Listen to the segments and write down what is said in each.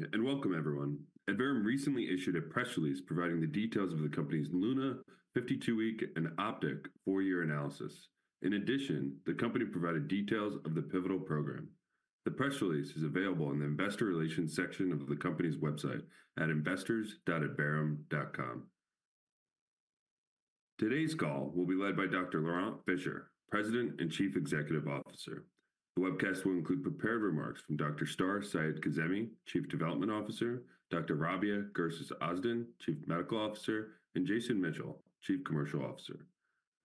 Good morning and welcome, everyone. Adverum recently issued a press release providing the details of the company's LUNA 52 Week and OPTIC 4-Year Analysis. In addition, the company provided details of the Pivotal Program. The press release is available in the Investor Relations section of the company's website at investors.adverum.com. Today's call will be led by Dr. Laurent Fischer, President and Chief Executive Officer. The webcast will include prepared remarks from Dr. Star Seyedkazemi, Chief Development Officer; Dr. Rabia Gurses Ozden, Chief Medical Officer; and Jason Mitchell, Chief Commercial Officer.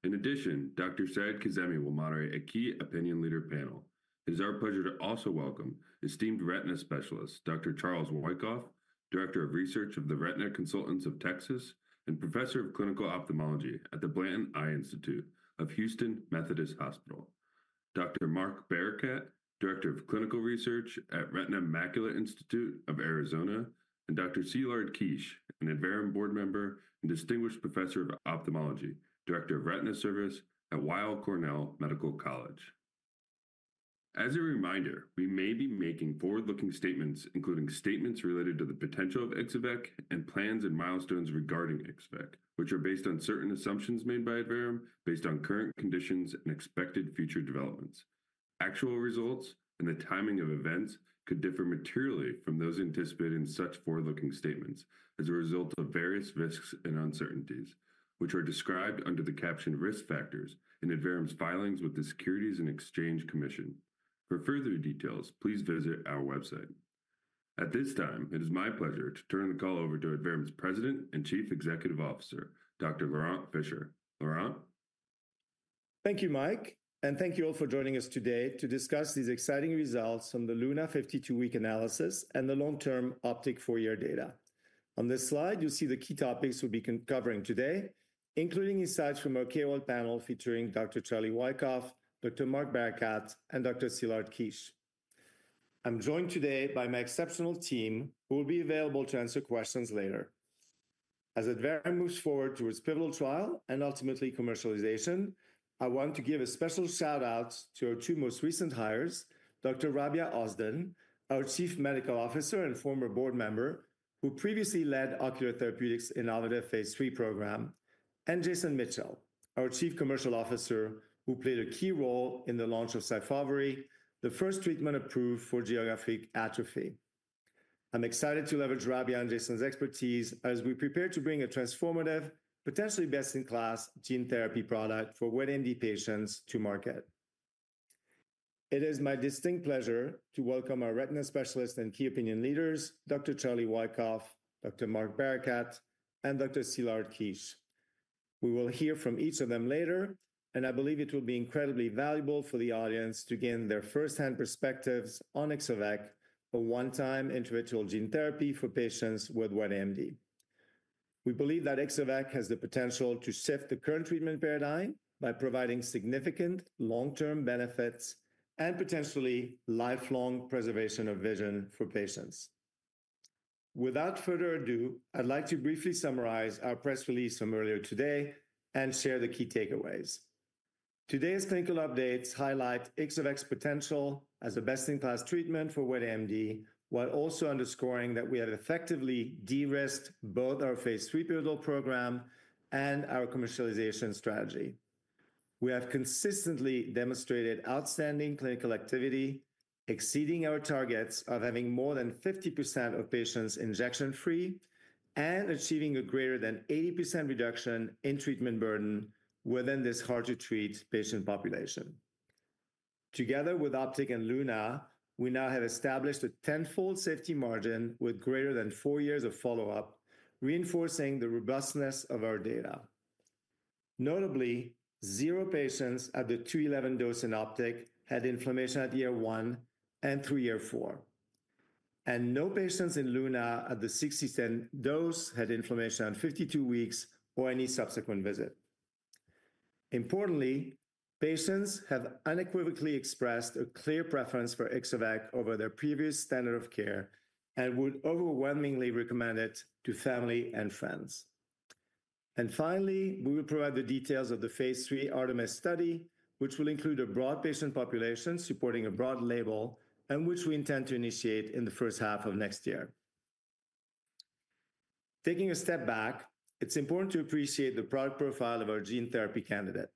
In addition, Dr. Seyedkazemi will moderate a key opinion leader panel. It is our pleasure to also welcome esteemed retina specialist Dr. Charles Wykoff, Director of Research of the Retina Consultants of Texas and Professor of Clinical Ophthalmology at the Blanton Eye Institute of Houston Methodist Hospital; Dr. Mark Barakat, Director of Clinical Research at Retina Macula Institute of Arizona; and Dr. Szilard Kiss, an Adverum board member and Distinguished Professor of Ophthalmology, Director of Retina Service at Weill Cornell Medical College. As a reminder, we may be making forward-looking statements, including statements related to the potential of Ixo-vec and plans and milestones regarding Ixo-vec, which are based on certain assumptions made by Adverum based on current conditions and expected future developments. Actual results and the timing of events could differ materially from those anticipated in such forward-looking statements as a result of various risks and uncertainties, which are described under the captioned risk factors in Adverum's filings with the Securities and Exchange Commission. For further details, please visit our website. At this time, it is my pleasure to turn the call over to Adverum's President and Chief Executive Officer, Dr. Laurent Fischer. Laurent? Thank you, Mike, and thank you all for joining us today to discuss these exciting results from the Luna 52-week analysis and the long-term Optic 4-year data. On this slide, you'll see the key topics we'll be covering today, including insights from our KOL panel featuring Dr. Charles Wykoff, Dr. Mark Barakat, and Dr. Szilard Kiss. I'm joined today by my exceptional team, who will be available to answer questions later. As Adverum moves forward towards Pivotal Trial and ultimately commercialization, I want to give a special shout-out to our two most recent hires, Dr. Rabia Gurses Ozden, our Chief Medical Officer and former board member, who previously led Ocular Therapeutix's innovative phase III program, and Jason Mitchell, our Chief Commercial Officer, who played a key role in the launch of Syfovre, the first treatment approved for geographic atrophy. I'm excited to leverage Rabia and Jason's expertise as we prepare to bring a transformative, potentially best-in-class gene therapy product for wet AMD patients to market. It is my distinct pleasure to welcome our retina specialists and key opinion leaders, Dr. Charles Wykoff, Dr. Mark Barakat, and Dr. Szilard Kiss. We will hear from each of them later, and I believe it will be incredibly valuable for the audience to gain their firsthand perspectives on Ixo-vec, a one-time interventional gene therapy for patients with wet AMD. We believe that Ixo-vec has the potential to shift the current treatment paradigm by providing significant long-term benefits and potentially lifelong preservation of vision for patients. Without further ado, I'd like to briefly summarize our press release from earlier today and share the key takeaways. Today's clinical updates highlight Ixo-vec's potential as a best-in-class treatment for wet AMD, while also underscoring that we have effectively de-risked both our phase III Pivotal Program and our commercialization strategy. We have consistently demonstrated outstanding clinical activity, exceeding our targets of having more than 50% of patients injection-free and achieving a greater than 80% reduction in treatment burden within this hard-to-treat patient population. Together with Optic and Luna, we now have established a tenfold safety margin with greater than four years of follow-up, reinforcing the robustness of our data. Notably, zero patients at the 2E11 dose in Optic had inflammation at year one and through year four, and no patients in Luna at the 6E10 dose had inflammation on 52 weeks or any subsequent visit. Importantly, patients have unequivocally expressed a clear preference for Ixo-vec over their previous standard of care and would overwhelmingly recommend it to family and friends. And finally, we will provide the details of the phaseIII Artemis study, which will include a broad patient population supporting a broad label and which we intend to initiate in the first half of next year. Taking a step back, it's important to appreciate the product profile of our gene therapy candidate.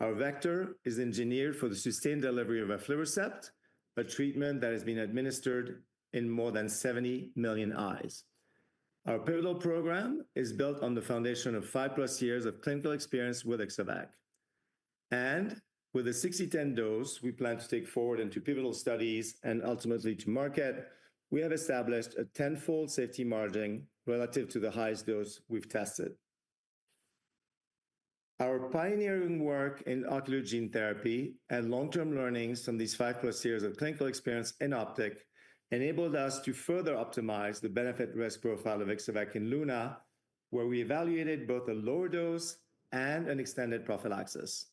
Our vector is engineered for the sustained delivery of aflibercept, a treatment that has been administered in more than 70 million eyes. Our Pivotal Program is built on the foundation of 5+ years of clinical experience with Ixo-vec. And with the 6E10 dose we plan to take forward into Pivotal Studies and ultimately to market, we have established a tenfold safety margin relative to the highest dose we've tested. Our pioneering work in ocular gene therapy and long-term learnings from these five-plus years of clinical experience in Optic enabled us to further optimize the benefit-risk profile of Ixo-vec in Luna, where we evaluated both a lower dose and an extended prophylaxis.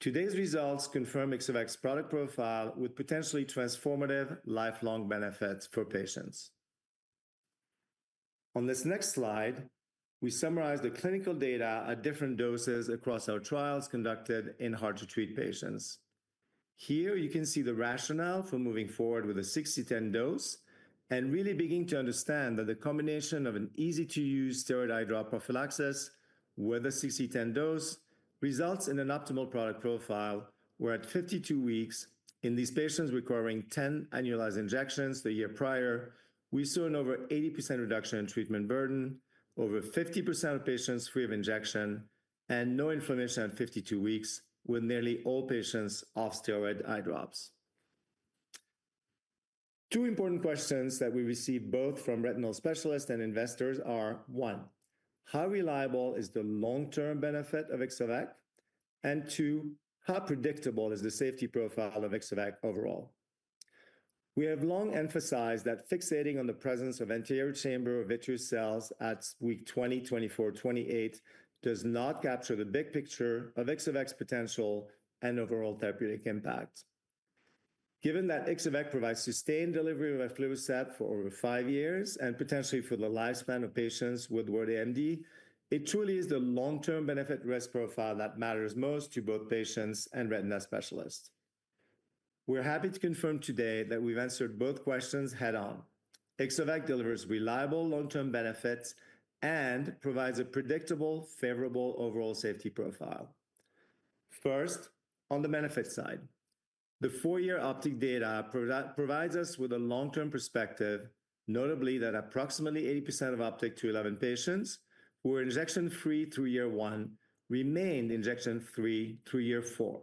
Today's results confirm Ixo-vec's product profile with potentially transformative lifelong benefits for patients. On this next slide, we summarize the clinical data at different doses across our trials conducted in hard-to-treat patients. Here you can see the rationale for moving forward with a 6E10 dose and really beginning to understand that the combination of an easy-to-use steroid eyedrop prophylaxis with a 6E10 dose results in an optimal product profile where at 52 weeks, in these patients requiring 10 annualized injections the year prior, we saw an over 80% reduction in treatment burden, over 50% of patients free of injection, and no inflammation at 52 weeks with nearly all patients off steroid eyedrops. Two important questions that we receive both from retinal specialists and investors are: one, how reliable is the long-term benefit of Ixo-vec? And two, how predictable is the safety profile of Ixo-vec overall? We have long emphasized that fixating on the presence of anterior chamber or vitreous cells at week 20, 24, 28 does not capture the big picture of Ixo-vec's potential and overall therapeutic impact. Given that Ixo-vec provides sustained delivery of aflibercept for over five years and potentially for the lifespan of patients with wet AMD, it truly is the long-term benefit-risk profile that matters most to both patients and retina specialists. We're happy to confirm today that we've answered both questions head-on. Ixo-vec delivers reliable long-term benefits and provides a predictable, favorable overall safety profile. First, on the benefit side, the four-year Optic data provides us with a long-term perspective, notably that approximately 80% of Optic 2E11 patients who were injection-free through year one remained injection-free through year four,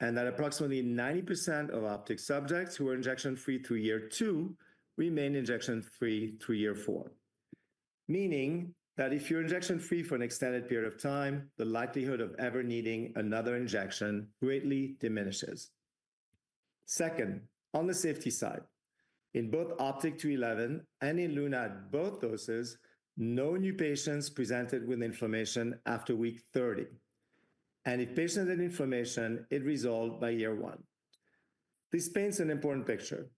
and that approximately 90% of Optic subjects who were injection-free through year two remained injection-free through year four, meaning that if you're injection-free for an extended period of time, the likelihood of ever needing another injection greatly diminishes. Second, on the safety side, in both OPTIC 2E11 and in Luna at both doses, no new patients presented with inflammation after week 30, and if patients had inflammation, it resolved by year one. This paints an important picture.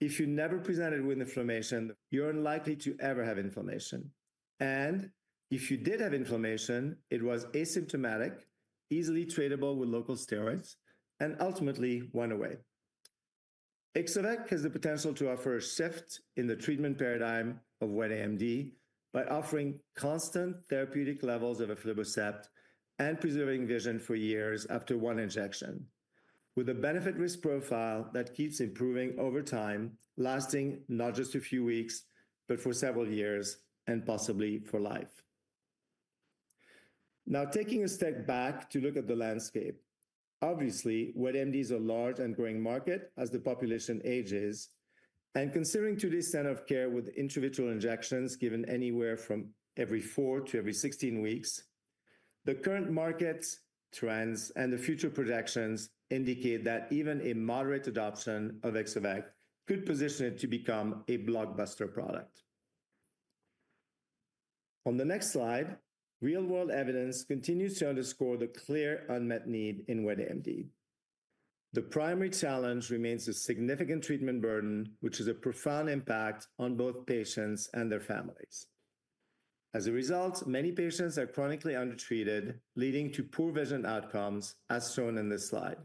If you never presented with inflammation, you're unlikely to ever have inflammation, and if you did have inflammation, it was asymptomatic, easily treatable with local steroids, and ultimately went away. Ixo-vec has the potential to offer a shift in the treatment paradigm of wet AMD by offering constant therapeutic levels of aflibercept and preserving vision for years after one injection, with a benefit-risk profile that keeps improving over time, lasting not just a few weeks, but for several years and possibly for life. Now, taking a step back to look at the landscape, obviously, wet AMD is a large and growing market as the population ages. Considering today's standard of care with interventional injections given anywhere from every four to every 16 weeks, the current market trends and the future projections indicate that even a moderate adoption of Ixo-vec could position it to become a blockbuster product. On the next slide, real-world evidence continues to underscore the clear unmet need in wet AMD. The primary challenge remains a significant treatment burden, which has a profound impact on both patients and their families. As a result, many patients are chronically undertreated, leading to poor vision outcomes, as shown in this slide.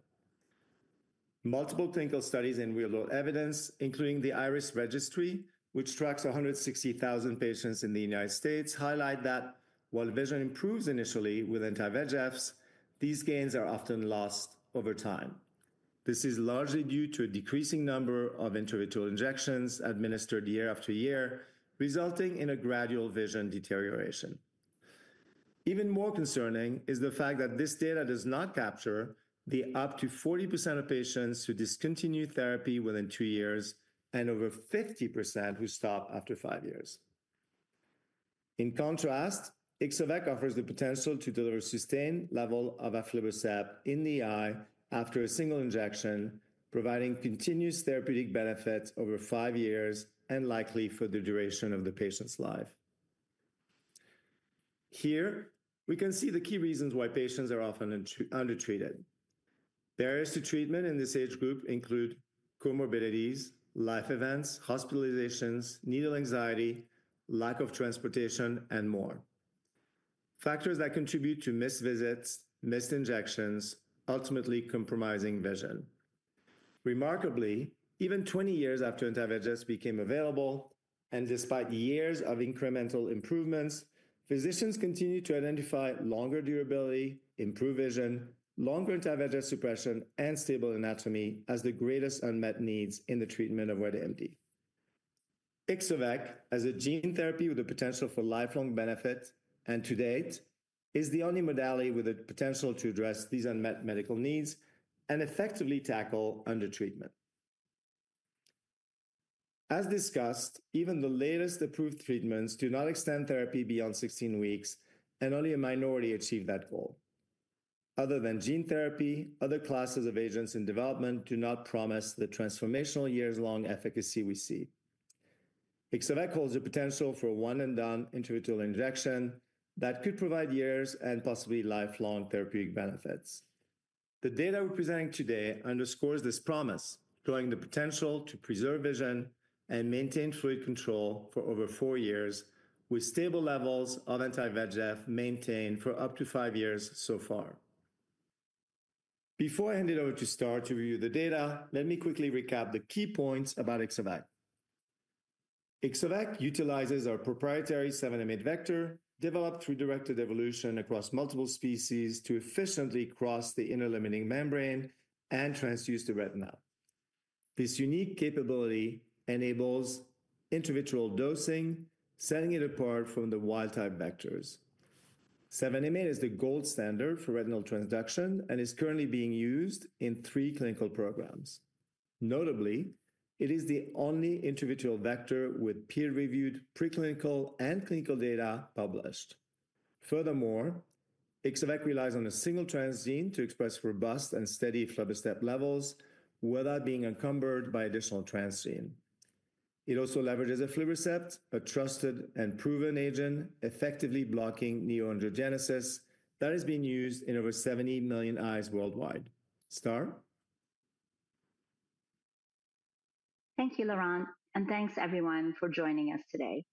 Multiple clinical studies and real-world evidence, including the IRIS Registry, which tracks 160,000 patients in the United States, highlight that while vision improves initially with anti-VEGFs, these gains are often lost over time. This is largely due to a decreasing number of interventional injections administered year after year, resulting in a gradual vision deterioration. Even more concerning is the fact that this data does not capture the up to 40% of patients who discontinue therapy within two years and over 50% who stop after five years. In contrast, Ixo-vec offers the potential to deliver a sustained level of Aflibercept in the eye after a single injection, providing continuous therapeutic benefits over five years and likely for the duration of the patient's life. Here, we can see the key reasons why patients are often undertreated. Barriers to treatment in this age group include comorbidities, life events, hospitalizations, needle anxiety, lack of transportation, and more factors that contribute to missed visits, missed injections, ultimately compromising vision. Remarkably, even 20 years after anti-VEGFs became available, and despite years of incremental improvements, physicians continue to identify longer durability, improved vision, longer anti-VEGF suppression, and stable anatomy as the greatest unmet needs in the treatment of wet AMD. Ixo-vec, as a gene therapy with the potential for lifelong benefit and to date, is the only modality with the potential to address these unmet medical needs and effectively tackle undertreatment. As discussed, even the latest approved treatments do not extend therapy beyond 16 weeks, and only a minority achieve that goal. Other than gene therapy, other classes of agents in development do not promise the transformational years-long efficacy we see. Ixo-vec holds the potential for one-and-done interventional injection that could provide years and possibly lifelong therapeutic benefits. The data we're presenting today underscores this promise, showing the potential to preserve vision and maintain fluid control for over four years, with stable levels of anti-VEGF maintained for up to five years so far. Before I hand it over to Star to review the data, let me quickly recap the key points about Ixo-vec. Ixo-vec utilizes our proprietary 7m8 vector developed through directed evolution across multiple species to efficiently cross the inner limiting membrane and transduce the retina. This unique capability enables interventional dosing, setting it apart from the wild-type vectors. 7m8 is the gold standard for retinal transduction and is currently being used in three clinical programs. Notably, it is the only interventional vector with peer-reviewed preclinical and clinical data published. Furthermore, Ixo-vec relies on a single transgene to express robust and steady aflibercept levels without being encumbered by additional transgene. It also leverages aflibercept, a trusted and proven agent effectively blocking neoangiogenesis that has been used in over 70 million eyes worldwide. Star? Thank you, Laurent, and thanks, everyone, for joining us today.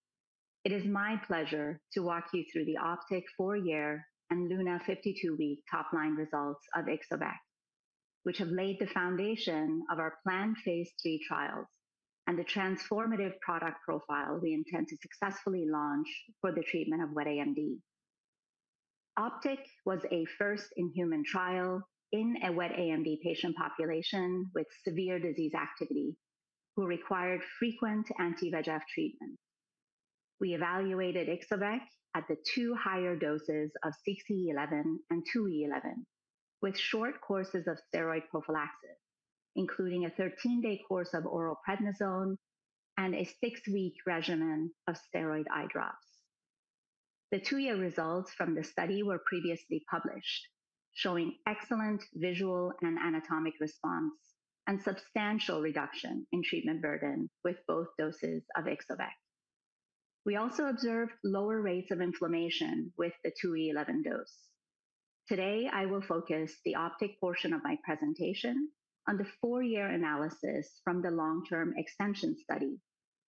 It is my pleasure to walk you through the Optic 4-year and Luna 52-week top-line results of Ixo-vec, which have laid the foundation of our planned phase III trials and the transformative product profile we intend to successfully launch for the treatment of wet AMD. Optic was a first-in-human trial in a wet AMD patient population with severe disease activity who required frequent anti-VEGF treatment. We evaluated Ixo-vec at the two higher doses of 6E11 and 2E11, with short courses of steroid prophylaxis, including a 13-day course of oral prednisone and a six-week regimen of steroid eyedrops. The two-year results from the study were previously published, showing excellent visual and anatomic response and substantial reduction in treatment burden with both doses of Ixo-vec. We also observed lower rates of inflammation with the 2E11 dose. Today, I will focus the OPTIC portion of my presentation on the four-year analysis from the long-term extension study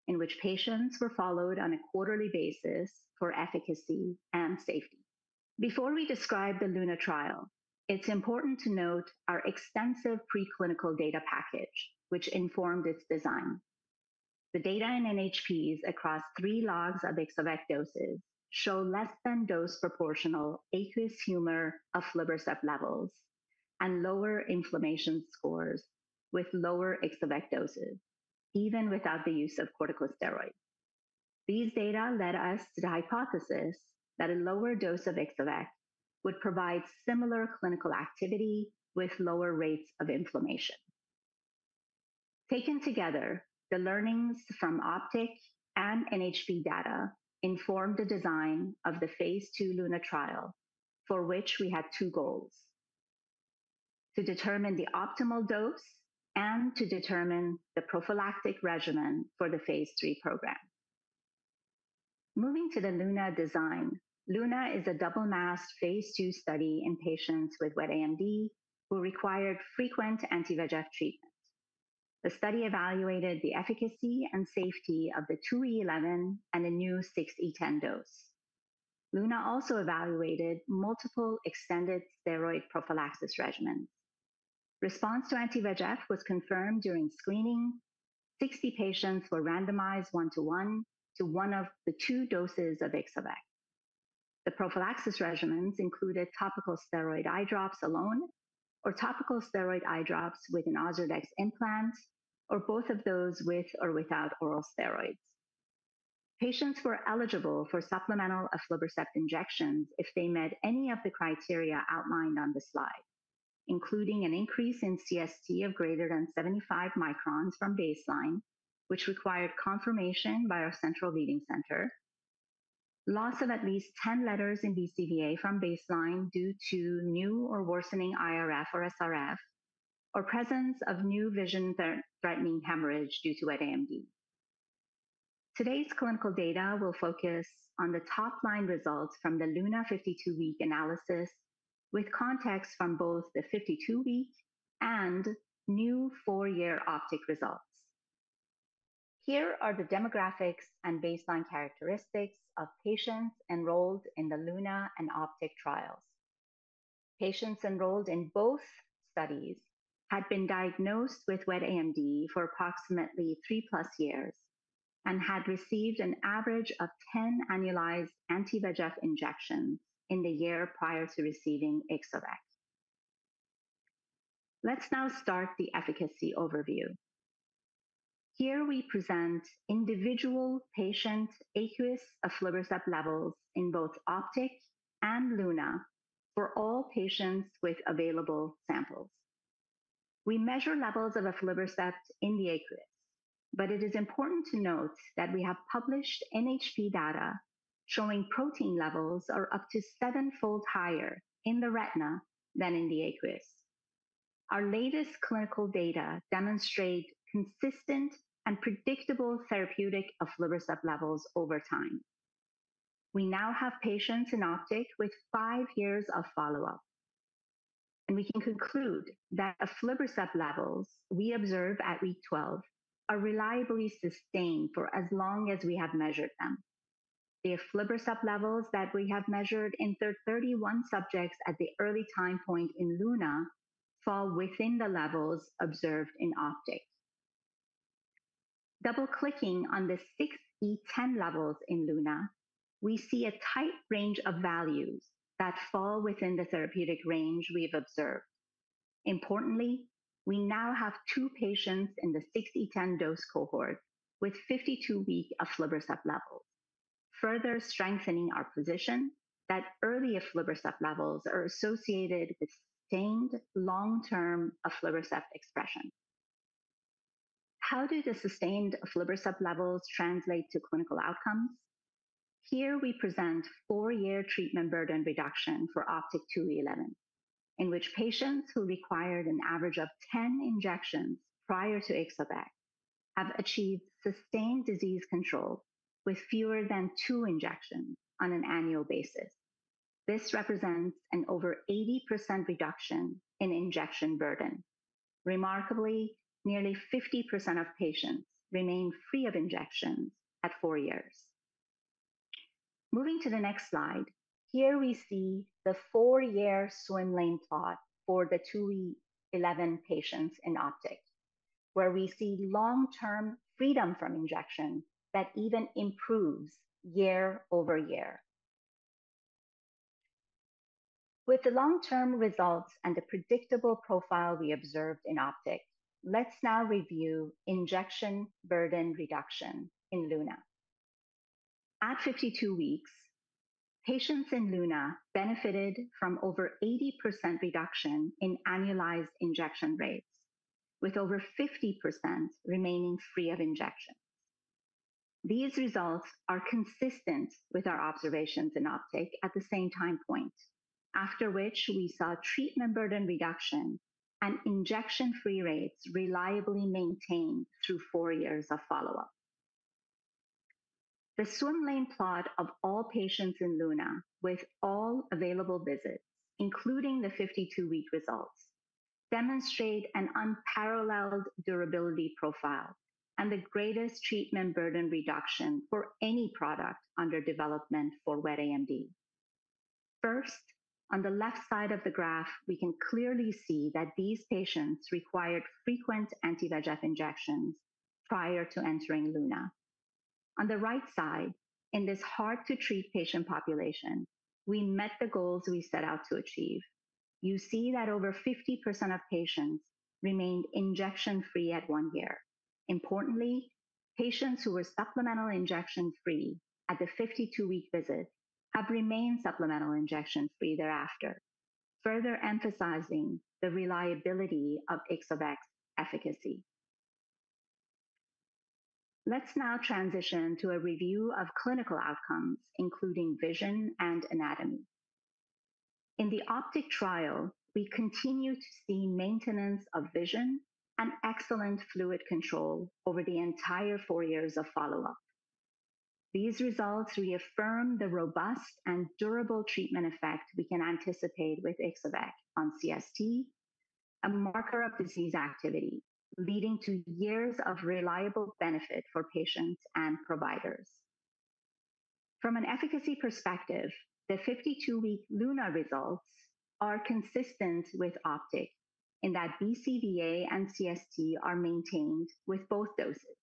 in which patients were followed on a quarterly basis for efficacy and safety. Before we describe the LUNA trial, it's important to note our extensive preclinical data package, which informed its design. The data in NHPs across three logs of Ixo-vec doses show less-than-dose proportional aqueous humor Aflibercept levels and lower inflammation scores with lower Ixo-vec doses, even without the use of corticosteroids. These data led us to the hypothesis that a lower dose of Ixo-vec would provide similar clinical activity with lower rates of inflammation. Taken together, the learnings from OPTIC and NHP data informed the design of the phase II LUNA trial, for which we had two goals: to determine the optimal dose and to determine the prophylactic regimen for the phase III program. Moving to the Luna design, Luna is a double-masked phase II study in patients with wet AMD who required frequent anti-VEGF treatment. The study evaluated the efficacy and safety of the 2E11 and a new 6E10 dose. Luna also evaluated multiple extended steroid prophylaxis regimens. Response to anti-VEGF was confirmed during screening. 60 patients were randomized one-to-one to one of the two doses of Ixo-vec. The prophylaxis regimens included topical steroid eyedrops alone, or topical steroid eyedrops with an Ozurdex implant, or both of those with or without oral steroids. Patients were eligible for supplemental Aflibercept injections if they met any of the criteria outlined on the slide, including an increase in CST of greater than 75 microns from baseline, which required confirmation by our central reading center, loss of at least 10 letters in BCVA from baseline due to new or worsening IRF or SRF, or presence of new vision-threatening hemorrhage due to wet AMD. Today's clinical data will focus on the top-line results from the Luna 52-week analysis, with context from both the 52-week and new 4-year Optic results. Here are the demographics and baseline characteristics of patients enrolled in the Luna and Optic trials. Patients enrolled in both studies had been diagnosed with wet AMD for approximately three-plus years and had received an average of 10 annualized anti-VEGF injections in the year prior to receiving Ixo-vec. Let's now start the efficacy overview. Here, we present individual patient aqueous aflibercept levels in both Optic and Luna for all patients with available samples. We measure levels of aflibercept in the aqueous, but it is important to note that we have published NHP data showing protein levels are up to seven-fold higher in the retina than in the aqueous. Our latest clinical data demonstrate consistent and predictable therapeutic aflibercept levels over time. We now have patients in Optic with five years of follow-up, and we can conclude that aflibercept levels we observe at week 12 are reliably sustained for as long as we have measured them. The aflibercept levels that we have measured in the 31 subjects at the early time point in Luna fall within the levels observed in Optic. Double-clicking on the 6E10 levels in Luna, we see a tight range of values that fall within the therapeutic range we've observed. Importantly, we now have two patients in the 6E10 dose cohort with 52-week Aflibercept levels, further strengthening our position that early Aflibercept levels are associated with sustained long-term Aflibercept expression. How do the sustained Aflibercept levels translate to clinical outcomes? Here, we present four-year treatment burden reduction for Optic 2E11, in which patients who required an average of 10 injections prior to Ixo-vec have achieved sustained disease control with fewer than two injections on an annual basis. This represents an over 80% reduction in injection burden. Remarkably, nearly 50% of patients remain free of injections at four years. Moving to the next slide, here we see the four-year swim lane plot for the 2E11 patients in Optic, where we see long-term freedom from injection that even improves year over year. With the long-term results and the predictable profile we observed in Optic, let's now review injection burden reduction in Luna. At 52 weeks, patients in Luna benefited from over 80% reduction in annualized injection rates, with over 50% remaining free of injections. These results are consistent with our observations in Optic at the same time point, after which we saw treatment burden reduction and injection-free rates reliably maintained through four years of follow-up. The swim lane plot of all patients in Luna with all available visits, including the 52-week results, demonstrates an unparalleled durability profile and the greatest treatment burden reduction for any product under development for wet AMD. First, on the left side of the graph, we can clearly see that these patients required frequent anti-VEGF injections prior to entering Luna. On the right side, in this hard-to-treat patient population, we met the goals we set out to achieve. You see that over 50% of patients remained injection-free at one year. Importantly, patients who were supplemental injection-free at the 52-week visit have remained supplemental injection-free thereafter, further emphasizing the reliability of Ixo-vec's efficacy. Let's now transition to a review of clinical outcomes, including vision and anatomy. In the Optic trial, we continue to see maintenance of vision and excellent fluid control over the entire four years of follow-up. These results reaffirm the robust and durable treatment effect we can anticipate with Ixo-vec on CST, a marker of disease activity leading to years of reliable benefit for patients and providers. From an efficacy perspective, the 52-week Luna results are consistent with Optic in that BCVA and CST are maintained with both doses.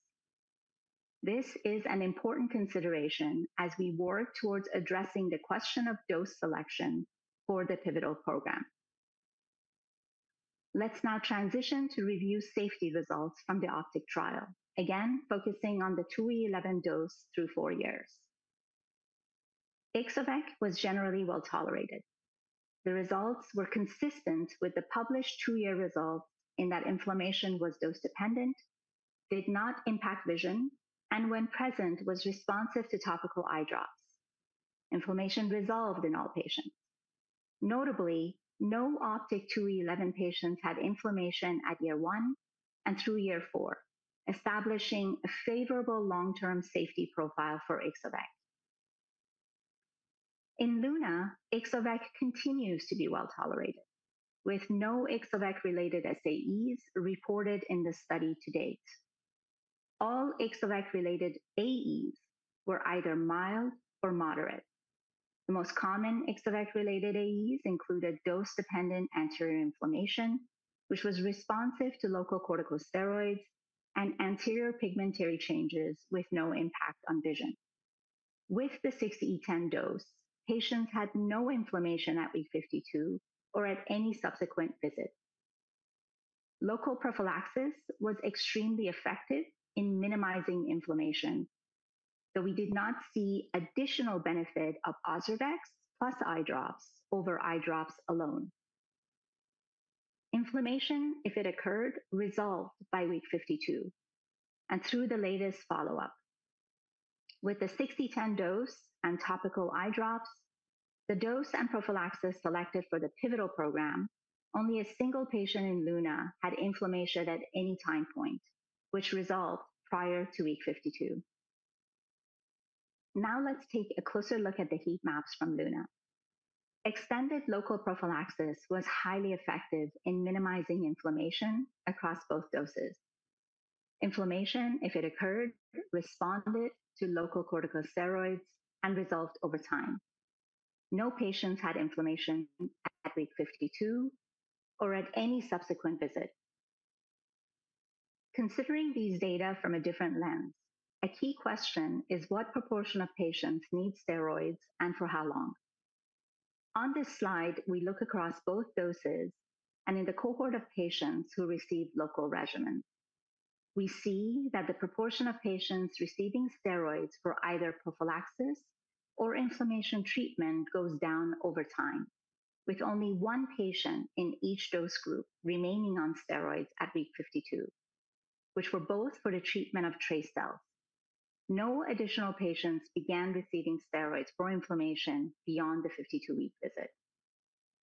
This is an important consideration as we work towards addressing the question of dose selection for the pivotal program. Let's now transition to review safety results from the Optic trial, again focusing on the 2E11 dose through four years. Ixo-vec was generally well tolerated. The results were consistent with the published two-year results in that inflammation was dose-dependent, did not impact vision, and when present, was responsive to topical eye drops. Inflammation resolved in all patients. Notably, no OPTIC 2E11 patients had inflammation at year one and through year four, establishing a favorable long-term safety profile for Ixo-vec. In LUNA, Ixo-vec continues to be well tolerated, with no Ixo-vec-related SAEs reported in the study to date. All Ixo-vec-related AEs were either mild or moderate. The most common Ixo-vec-related AEs included dose-dependent anterior inflammation, which was responsive to local corticosteroids and anterior pigmentary changes with no impact on vision. With the 6E10 dose, patients had no inflammation at week 52 or at any subsequent visit. Local prophylaxis was extremely effective in minimizing inflammation, though we did not see additional benefit of Ozurdex plus eye drops over eye drops alone. Inflammation, if it occurred, resolved by week 52 and through the latest follow-up. With the 6E10 dose and topical eyedrops, the dose and prophylaxis selected for the pivotal program, only a single patient in Luna had inflammation at any time point, which resolved prior to week 52. Now let's take a closer look at the heat maps from Luna. Extended local prophylaxis was highly effective in minimizing inflammation across both doses. Inflammation, if it occurred, responded to local corticosteroids and resolved over time. No patients had inflammation at week 52 or at any subsequent visit. Considering these data from a different lens, a key question is what proportion of patients need steroids and for how long. On this slide, we look across both doses and in the cohort of patients who received local regimen. We see that the proportion of patients receiving steroids for either prophylaxis or inflammation treatment goes down over time, with only one patient in each dose group remaining on steroids at week 52, which were both for the treatment of trace cells. No additional patients began receiving steroids for inflammation beyond the 52-week visit.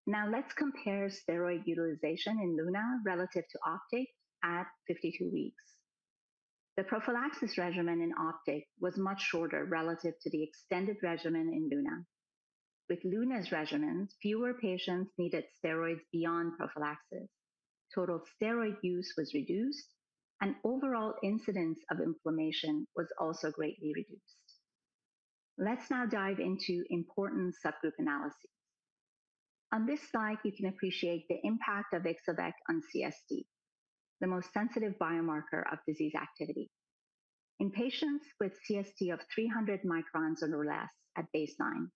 Now let's compare steroid utilization in Luna relative to Optic at 52 weeks. The prophylaxis regimen in Optic was much shorter relative to the extended regimen in Luna. With Luna's regimen, fewer patients needed steroids beyond prophylaxis, total steroid use was reduced, and overall incidence of inflammation was also greatly reduced. Let's now dive into important subgroup analyses. On this slide, you can appreciate the impact of Ixo-vec on CST, the most sensitive biomarker of disease activity. In patients with CST of 300 microns or less at baseline,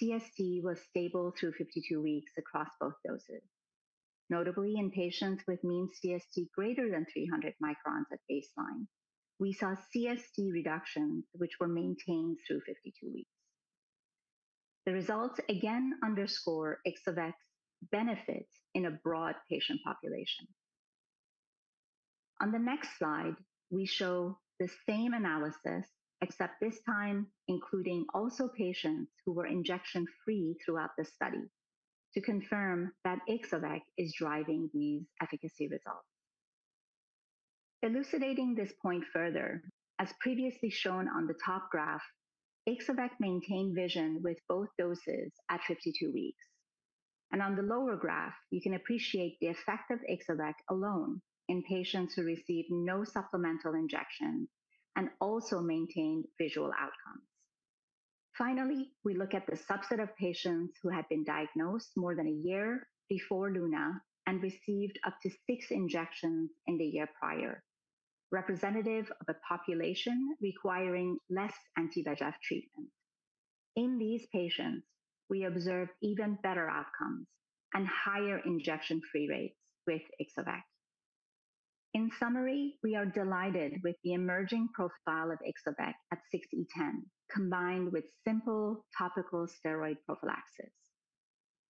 CST was stable through 52 weeks across both doses. Notably, in patients with mean CST greater than 300 microns at baseline, we saw CST reductions, which were maintained through 52 weeks. The results again underscore Ixo-vec's benefit in a broad patient population. On the next slide, we show the same analysis, except this time including also patients who were injection-free throughout the study to confirm that Ixo-vec is driving these efficacy results. Elucidating this point further, as previously shown on the top graph, Ixo-vec maintained vision with both doses at 52 weeks. And on the lower graph, you can appreciate the effect of Ixo-vec alone in patients who received no supplemental injection and also maintained visual outcomes. Finally, we look at the subset of patients who had been diagnosed more than a year before Luna and received up to six injections in the year prior, representative of a population requiring less anti-VEGF treatment. In these patients, we observed even better outcomes and higher injection-free rates with Ixo-vec. In summary, we are delighted with the emerging profile of Ixo-vec at 6E10, combined with simple topical steroid prophylaxis.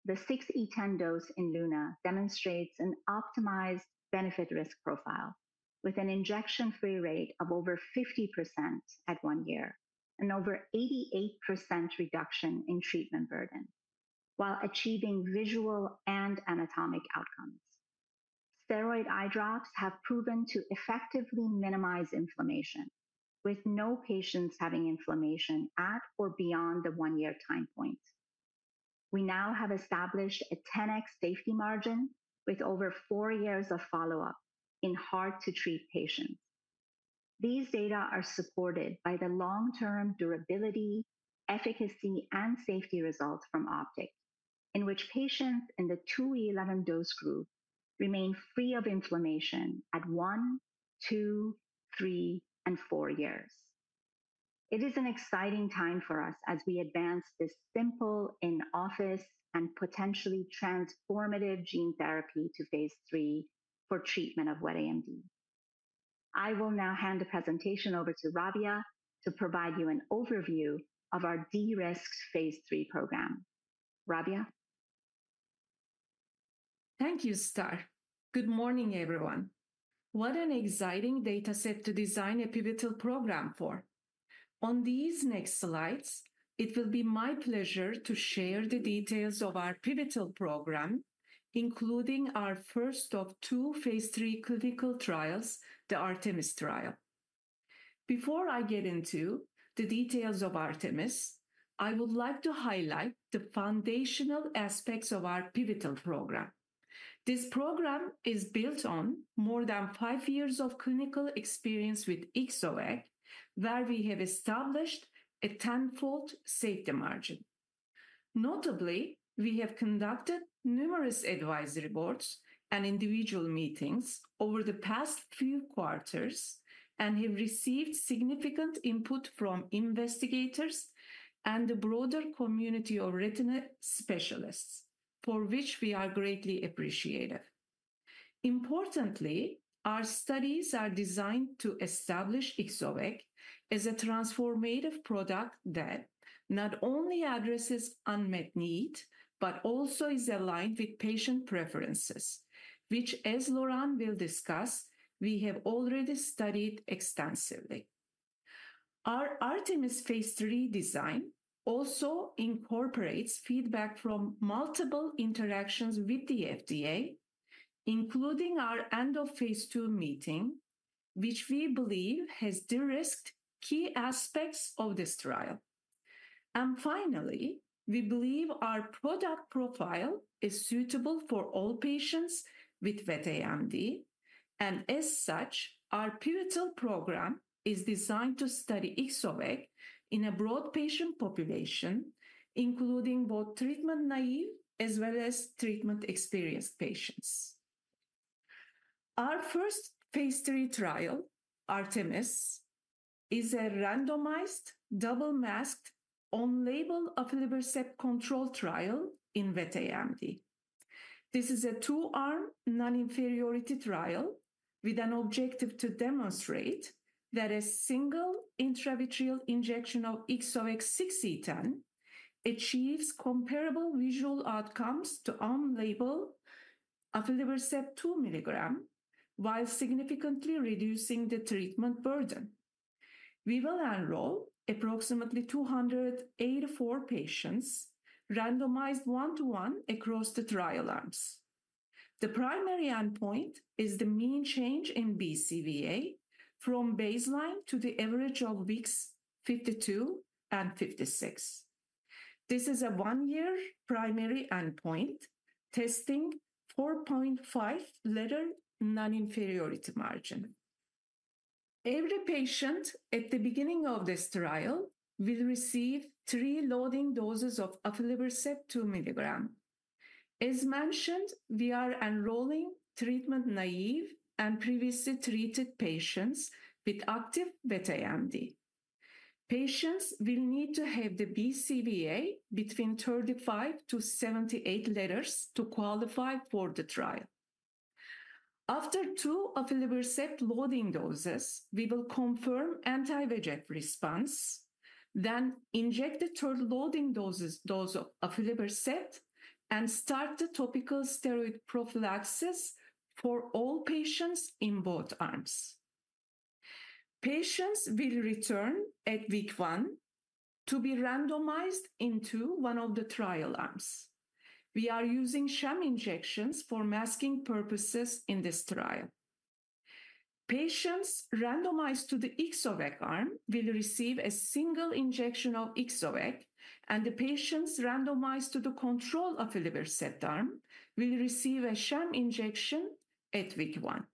The 6E10 dose in Luna demonstrates an optimized benefit-risk profile with an injection-free rate of over 50% at one year and over 88% reduction in treatment burden while achieving visual and anatomic outcomes. Steroid eyedrops have proven to effectively minimize inflammation, with no patients having inflammation at or beyond the one-year time point. We now have established a 10x safety margin with over four years of follow-up in hard-to-treat patients. These data are supported by the long-term durability, efficacy, and safety results from Optic, in which patients in the 2E11 dose group remain free of inflammation at one, two, three, and four years. It is an exciting time for us as we advance this simple in-office and potentially transformative gene therapy to phase III for treatment of wet AMD. I will now hand the presentation over to Rabia to provide you an overview of our Ixo-vec's phase III program. Rabia. Thank you, Star. Good morning, everyone. What an exciting dataset to design a pivotal program for. On these next slides, it will be my pleasure to share the details of our pivotal program, including our first of two phase III clinical trials, the Artemis trial. Before I get into the details of Artemis, I would like to highlight the foundational aspects of our pivotal program. This program is built on more than five years of clinical experience with Ixo-vec, where we have established a tenfold safety margin. Notably, we have conducted numerous advisory boards and individual meetings over the past few quarters and have received significant input from investigators and the broader community of retina specialists, for which we are greatly appreciative. Importantly, our studies are designed to establish Ixo-vec as a transformative product that not only addresses unmet need but also is aligned with patient preferences, which, as Laurent will discuss, we have already studied extensively. Our Artemis phase III design also incorporates feedback from multiple interactions with the FDA, including our end-of-phase IImeeting, which we believe has de-risked key aspects of this trial. Finally, we believe our product profile is suitable for all patients with wet AMD, and as such, our pivotal program is designed to study Ixo-vec in a broad patient population, including both treatment naive as well as treatment-experienced patients. Our first phase III trial, Artemis, is a randomized double-masked on-label aflibercept control trial in wet AMD. This is a two-arm non-inferiority trial with an objective to demonstrate that a single intravitreal injection of Ixo-vec 6E10 achieves comparable visual outcomes to on-label aflibercept 2 milligrams while significantly reducing the treatment burden. We will enroll approximately 284 patients randomized one-to-one across the trial arms. The primary endpoint is the mean change in BCVA from baseline to the average of weeks 52 and 56. This is a one-year primary endpoint, testing 4.5 letter non-inferiority margin. Every patient at the beginning of this trial will receive three loading doses of aflibercept 2 mg. As mentioned, we are enrolling treatment naive and previously treated patients with active wet AMD. Patients will need to have the BCVA between 35-78 letters to qualify for the trial. After two aflibercept loading doses, we will confirm anti-VEGF response, then inject the third loading dose of aflibercept and start the topical steroid prophylaxis for all patients in both arms. Patients will return at week one to be randomized into one of the trial arms. We are using sham injections for masking purposes in this trial. Patients randomized to the Ixo-vec arm will receive a single injection of Ixo-vec, and the patients randomized to the control aflibercept arm will receive a sham injection at week one.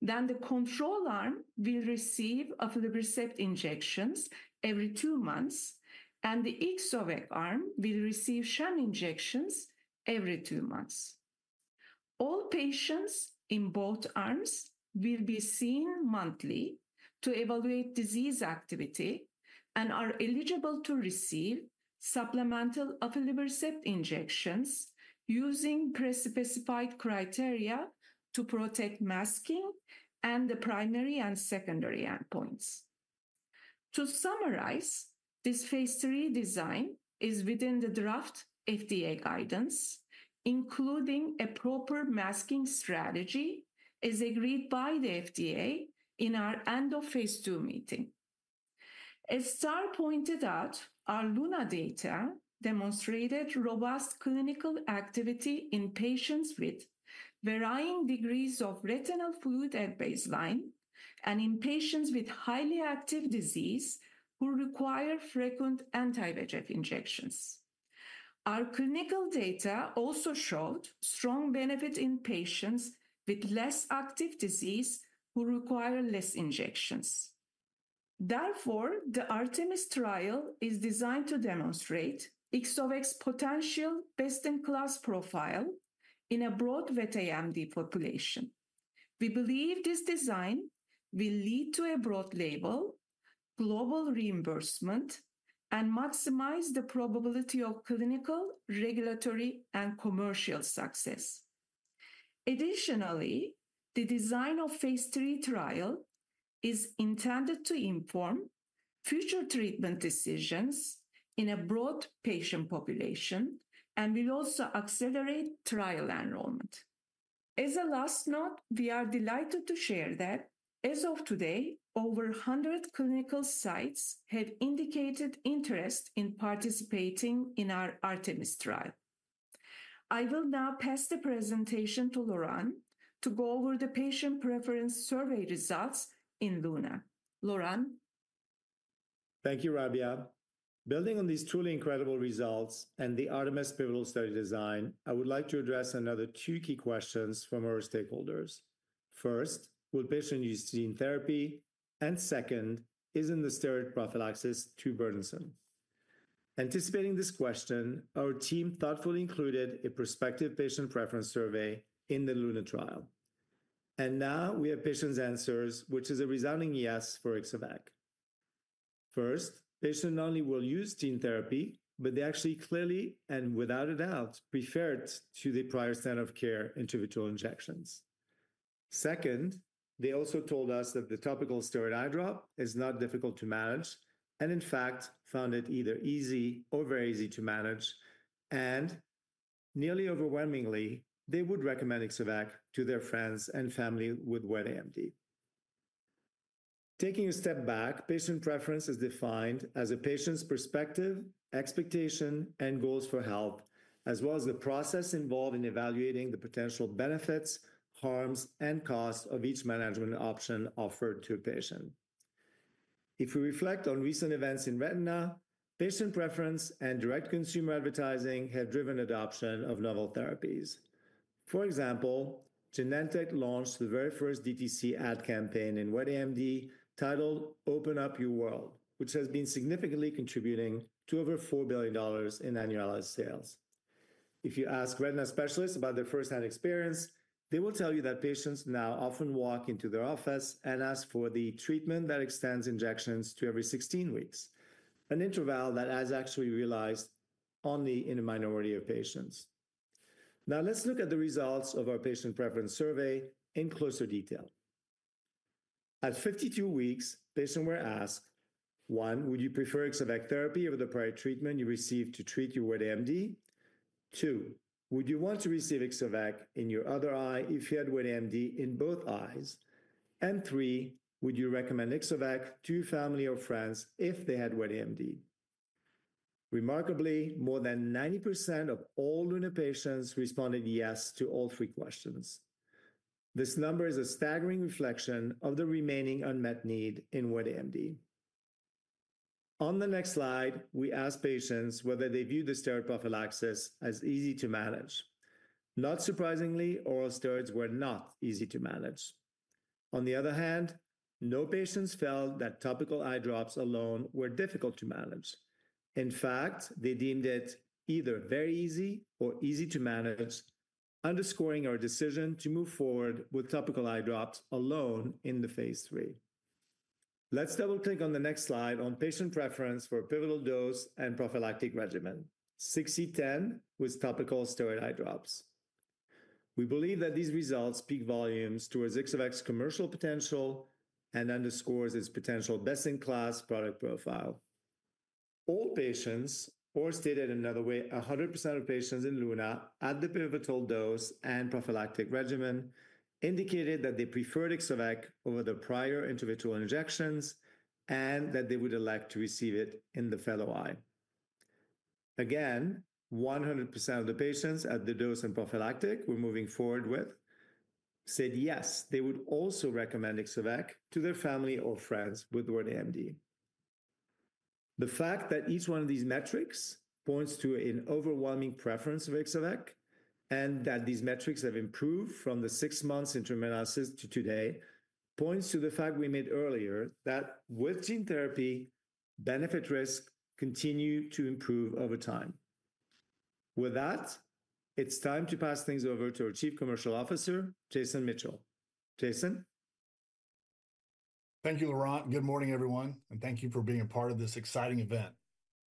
Then the control arm will receive aflibercept injections every two months, and the Ixo-vec arm will receive sham injections every two months. All patients in both arms will be seen monthly to evaluate disease activity and are eligible to receive supplemental aflibercept injections using pre-specified criteria to protect masking and the primary and secondary endpoints. To summarize, this phase III design is within the draft FDA guidance, including a proper masking strategy as agreed by the FDA in our end-of-phase II meeting. As Star pointed out, our Luna data demonstrated robust clinical activity in patients with varying degrees of retinal fluid at baseline and in patients with highly active disease who require frequent anti-VEGF injections. Our clinical data also showed strong benefit in patients with less active disease who require less injections. Therefore, the Artemis trial is designed to demonstrate Ixo-vec's potential best-in-class profile in a broad wet AMD population. We believe this design will lead to a broad label, global reimbursement, and maximize the probability of clinical, regulatory, and commercial success. Additionally, the design of phase III trial is intended to inform future treatment decisions in a broad patient population and will also accelerate trial enrollment. As a last note, we are delighted to share that as of today, over 100 clinical sites have indicated interest in participating in our Artemis trial. I will now pass the presentation to Laurent to go over the patient preference survey results in Luna. Laurent. Thank you, Rabia. Building on these truly incredible results and the Artemis pivotal study design, I would like to address another two key questions from our stakeholders. First, will patients use gene therapy? And second, isn't the steroid prophylaxis too burdensome? Anticipating this question, our team thoughtfully included a prospective patient preference survey in the Luna trial, and now we have patients' answers, which is a resounding yes for Ixo-vec. First, patients not only will use gene therapy, but they actually clearly and without a doubt preferred to the prior standard of care intravitreal injections. Second, they also told us that the topical steroid eyedrop is not difficult to manage and, in fact, found it either easy or very easy to manage. Nearly overwhelmingly, they would recommend Ixo-vec to their friends and family with wet AMD. Taking a step back, patient preference is defined as a patient's perspective, expectation, and goals for health, as well as the process involved in evaluating the potential benefits, harms, and costs of each management option offered to a patient. If we reflect on recent events in retina, patient preference and direct consumer advertising have driven adoption of novel therapies. For example, Genentech launched the very first DTC ad campaign in wet AMD titled "Open Up Your World," which has been significantly contributing to over $4 billion in annualized sales. If you ask retina specialists about their firsthand experience, they will tell you that patients now often walk into their office and ask for the treatment that extends injections to every 16 weeks, an interval that has actually realized only in a minority of patients. Now, let's look at the results of our patient preference survey in closer detail. At 52 weeks, patients were asked, one, would you prefer Ixo-vec therapy over the prior treatment you received to treat your wet AMD? Two, would you want to receive Ixo-vec in your other eye if you had wet AMD in both eyes? And three, would you recommend Ixo-vec to your family or friends if they had wet AMD? Remarkably, more than 90% of all Luna patients responded yes to all three questions. This number is a staggering reflection of the remaining unmet need in wet AMD. On the next slide, we asked patients whether they view the steroid prophylaxis as easy to manage. Not surprisingly, oral steroids were not easy to manage. On the other hand, no patients felt that topical eyedrops alone were difficult to manage. In fact, they deemed it either very easy or easy to manage, underscoring our decision to move forward with topical eyedrops alone in the phase III. Let's double-click on the next slide on patient preference for a pivotal dose and prophylactic regimen, 6E10 with topical steroid eyedrops. We believe that these results speak volumes towards Ixo-vec's commercial potential and underscore its potential best-in-class product profile. All patients, or stated in another way, 100% of patients in Luna at the pivotal dose and prophylactic regimen indicated that they preferred Ixo-vec over the prior intravitreal injections and that they would elect to receive it in the fellow eye. Again, 100% of the patients at the dose and prophylactic we're moving forward with said yes they would also recommend Ixo-vec to their family or friends with wet AMD. The fact that each one of these metrics points to an overwhelming preference for Ixo-vec and that these metrics have improved from the six-month interim analysis to today points to the fact we made earlier that with gene therapy, benefit-risk continue to improve over time. With that, it's time to pass things over to our Chief Commercial Officer, Jason Mitchell. Jason. Thank you, Laurent. Good morning, everyone, and thank you for being a part of this exciting event.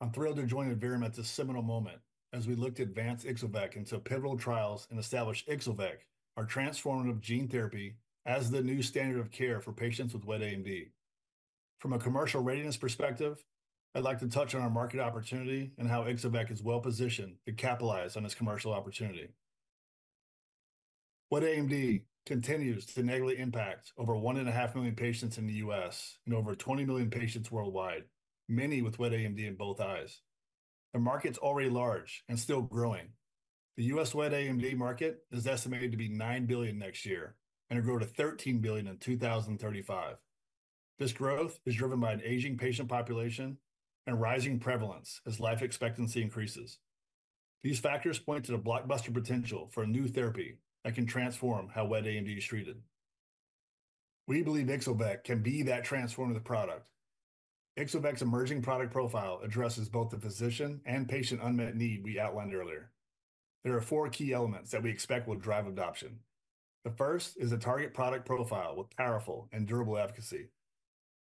I'm thrilled to join the very most seminal moment as we look to advance Ixo-vec into pivotal trials and establish Ixo-vec, our transformative gene therapy as the new standard of care for patients with wet AMD. From a commercial readiness perspective, I'd like to touch on our market opportunity and how Ixo-vec is well-positioned to capitalize on this commercial opportunity. Wet AMD continues to negatively impact over one and a half million patients in the U.S. and over 20 million patients worldwide, many with wet AMD in both eyes. The market's already large and still growing. The U.S. wet AMD market is estimated to be $9 billion next year and to grow to $13 billion in 2035. This growth is driven by an aging patient population and rising prevalence as life expectancy increases. These factors point to the blockbuster potential for a new therapy that can transform how wet AMD is treated. We believe Ixo-vec can be that transformative product. Ixo-vec's emerging product profile addresses both the physician and patient unmet need we outlined earlier. There are four key elements that we expect will drive adoption. The first is a target product profile with powerful and durable efficacy.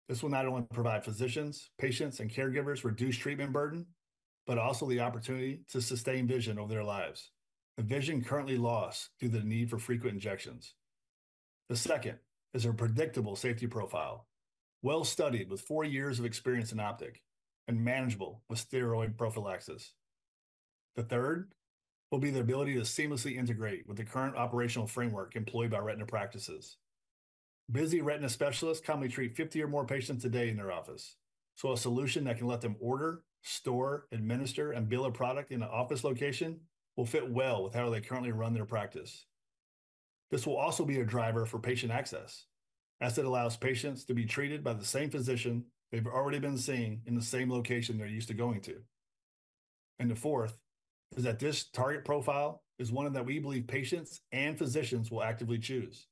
This will not only provide physicians, patients, and caregivers reduced treatment burden, but also the opportunity to sustain vision over their lives, a vision currently lost due to the need for frequent injections. The second is a predictable safety profile, well-studied with four years of experience in Optic and manageable with steroid prophylaxis. The third will be the ability to seamlessly integrate with the current operational framework employed by retina practices. Busy retina specialists currently treat 50 or more patients a day in their office, so a solution that can let them order, store, administer, and bill a product in an office location will fit well with how they currently run their practice. This will also be a driver for patient access as it allows patients to be treated by the same physician they've already been seeing in the same location they're used to going to. And the fourth is that this target profile is one that we believe patients and physicians will actively choose.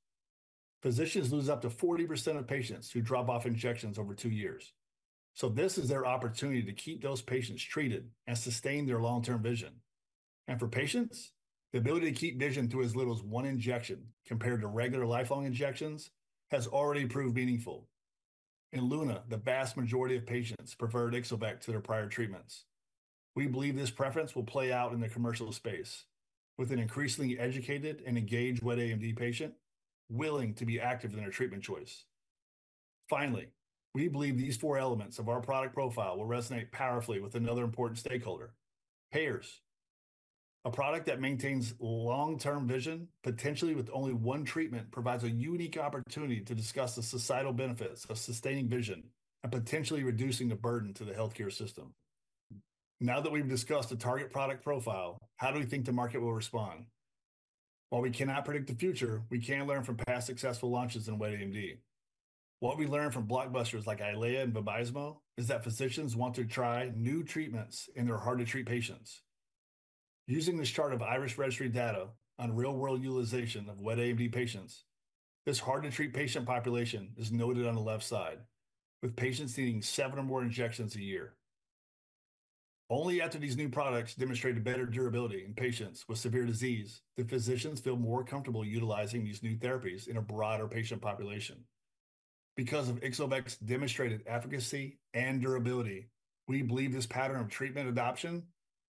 Physicians lose up to 40% of patients who drop off injections over two years. So this is their opportunity to keep those patients treated and sustain their long-term vision. And for patients, the ability to keep vision through as little as one injection compared to regular lifelong injections has already proved meaningful. In Luna, the vast majority of patients preferred Ixo-vec to their prior treatments. We believe this preference will play out in the commercial space with an increasingly educated and engaged wet AMD patient willing to be active in their treatment choice. Finally, we believe these four elements of our product profile will resonate powerfully with another important stakeholder, payers. A product that maintains long-term vision potentially with only one treatment provides a unique opportunity to discuss the societal benefits of sustaining vision and potentially reducing the burden to the healthcare system. Now that we've discussed the target product profile, how do we think the market will respond? While we cannot predict the future, we can learn from past successful launches in wet AMD. What we learned from blockbusters like Eylea and Vabysmo is that physicians want to try new treatments in their hard-to-treat patients. Using this chart of IRIS Registry data on real-world utilization of wet AMD patients, this hard-to-treat patient population is noted on the left side with patients needing seven or more injections a year. Only after these new products demonstrate better durability in patients with severe disease, do physicians feel more comfortable utilizing these new therapies in a broader patient population. Because of Ixo-vec's demonstrated efficacy and durability, we believe this pattern of treatment adoption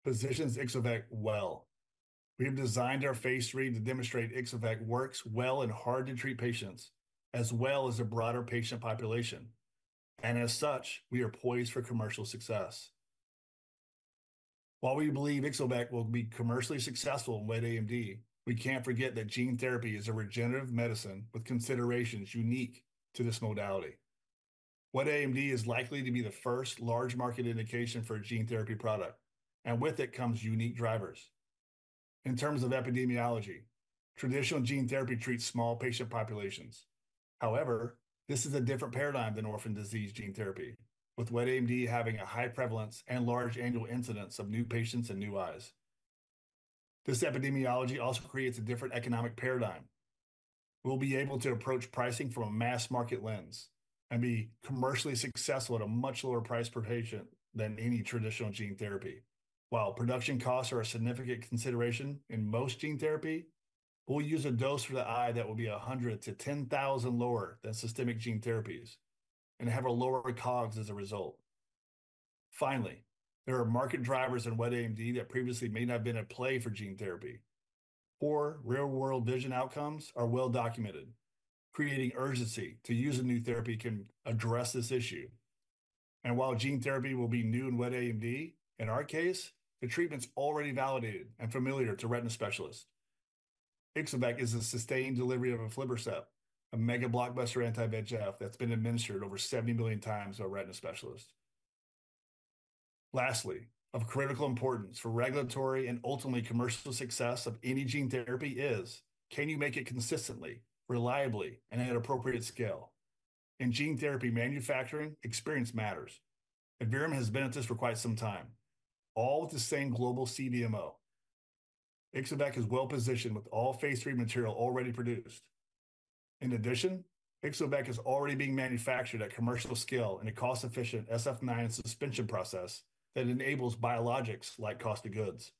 positions Ixo-vec well. We have designed our phase III to demonstrate Ixo-vec works well in hard-to-treat patients as well as a broader patient population. And as such, we are poised for commercial success. While we believe Ixo-vec will be commercially successful in wet AMD, we can't forget that gene therapy is a regenerative medicine with considerations unique to this modality. Wet AMD is likely to be the first large market indication for a gene therapy product, and with it comes unique drivers. In terms of epidemiology, traditional gene therapy treats small patient populations. However, this is a different paradigm than orphan disease gene therapy, with wet AMD having a high prevalence and large annual incidence of new patients and new eyes. This epidemiology also creates a different economic paradigm. We'll be able to approach pricing from a mass market lens and be commercially successful at a much lower price per patient than any traditional gene therapy. While production costs are a significant consideration in most gene therapy, we'll use a dose for the eye that will be 100-10,000 lower than systemic gene therapies and have a lower COGS as a result. Finally, there are market drivers in wet AMD that previously may not have been at play for gene therapy. Poor real-world vision outcomes are well-documented. Creating urgency to use a new therapy can address this issue. And while gene therapy will be new in wet AMD, in our case, the treatment's already validated and familiar to retina specialists. Ixo-vec is a sustained delivery of aflibercept, a mega blockbuster anti-VEGF that's been administered over 70 million times by retina specialists. Lastly, of critical importance for regulatory and ultimately commercial success of any gene therapy is, can you make it consistently, reliably, and at an appropriate scale? In gene therapy manufacturing, experience matters. Virovek has been at this for quite some time, all with the same global CDMO. Ixo-vec is well-positioned with all phase III material already produced. In addition, Ixo-vec is already being manufactured at commercial scale in a cost-efficient Sf9 suspension process that enables low COGS.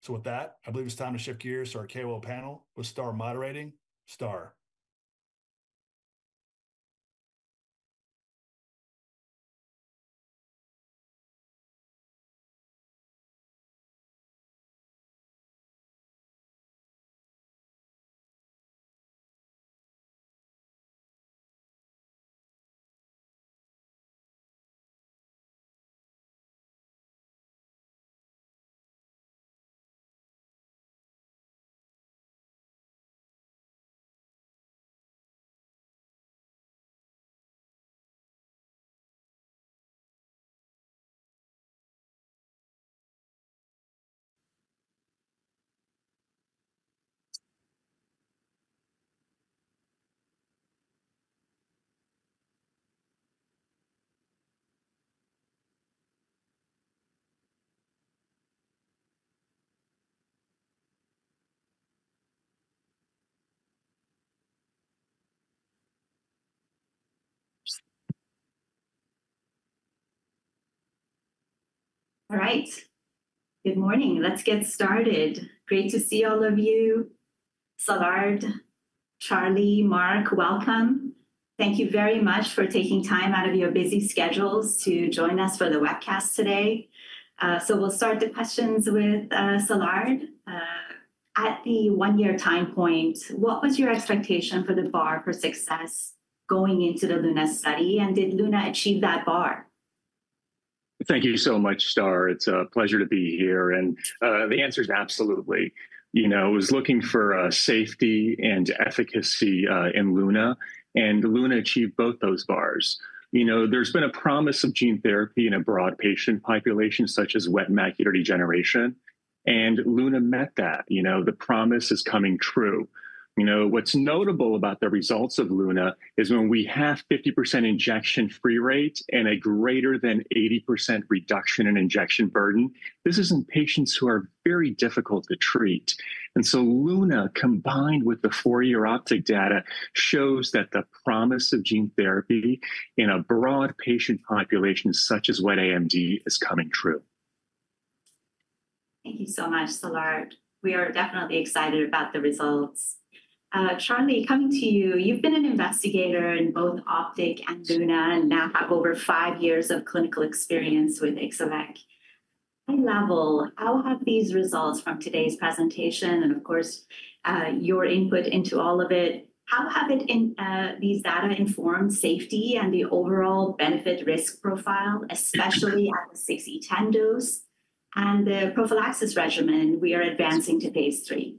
So with that, I believe it's time to shift gears to our KOL panel with Star moderating. Star. All right. Good morning. Let's get started. Great to see all of you. Szilard, Charlie, Mark, welcome. Thank you very much for taking time out of your busy schedules to join us for the webcast today. So we'll start the questions with Szilard. At the one-year time point, what was your expectation for the bar for success going into the Luna study, and did Luna achieve that bar? Thank you so much, Star. It's a pleasure to be here. And the answer is absolutely. You know, I was looking for safety and efficacy in Luna, and Luna achieved both those bars. You know, there's been a promise of gene therapy in a broad patient population such as wet macular degeneration, and Luna met that. You know, the promise is coming true. You know, what's notable about the results of Luna is when we have 50% injection-free rate and a greater than 80% reduction in injection burden, this is in patients who are very difficult to treat. And so Luna, combined with the four-year Optic data, shows that the promise of gene therapy in a broad patient population such as wet AMD is coming true. Thank you so much, Szilard. We are definitely excited about the results. Charlie, coming to you, you've been an investigator in both Optic and Luna and now have over five years of clinical experience with Ixo-vec. High level, how have these results from today's presentation and, of course, your input into all of it, how have these data informed safety and the overall benefit-risk profile, especially at the 6E10 dose and the prophylaxis regimen we are advancing to phase III?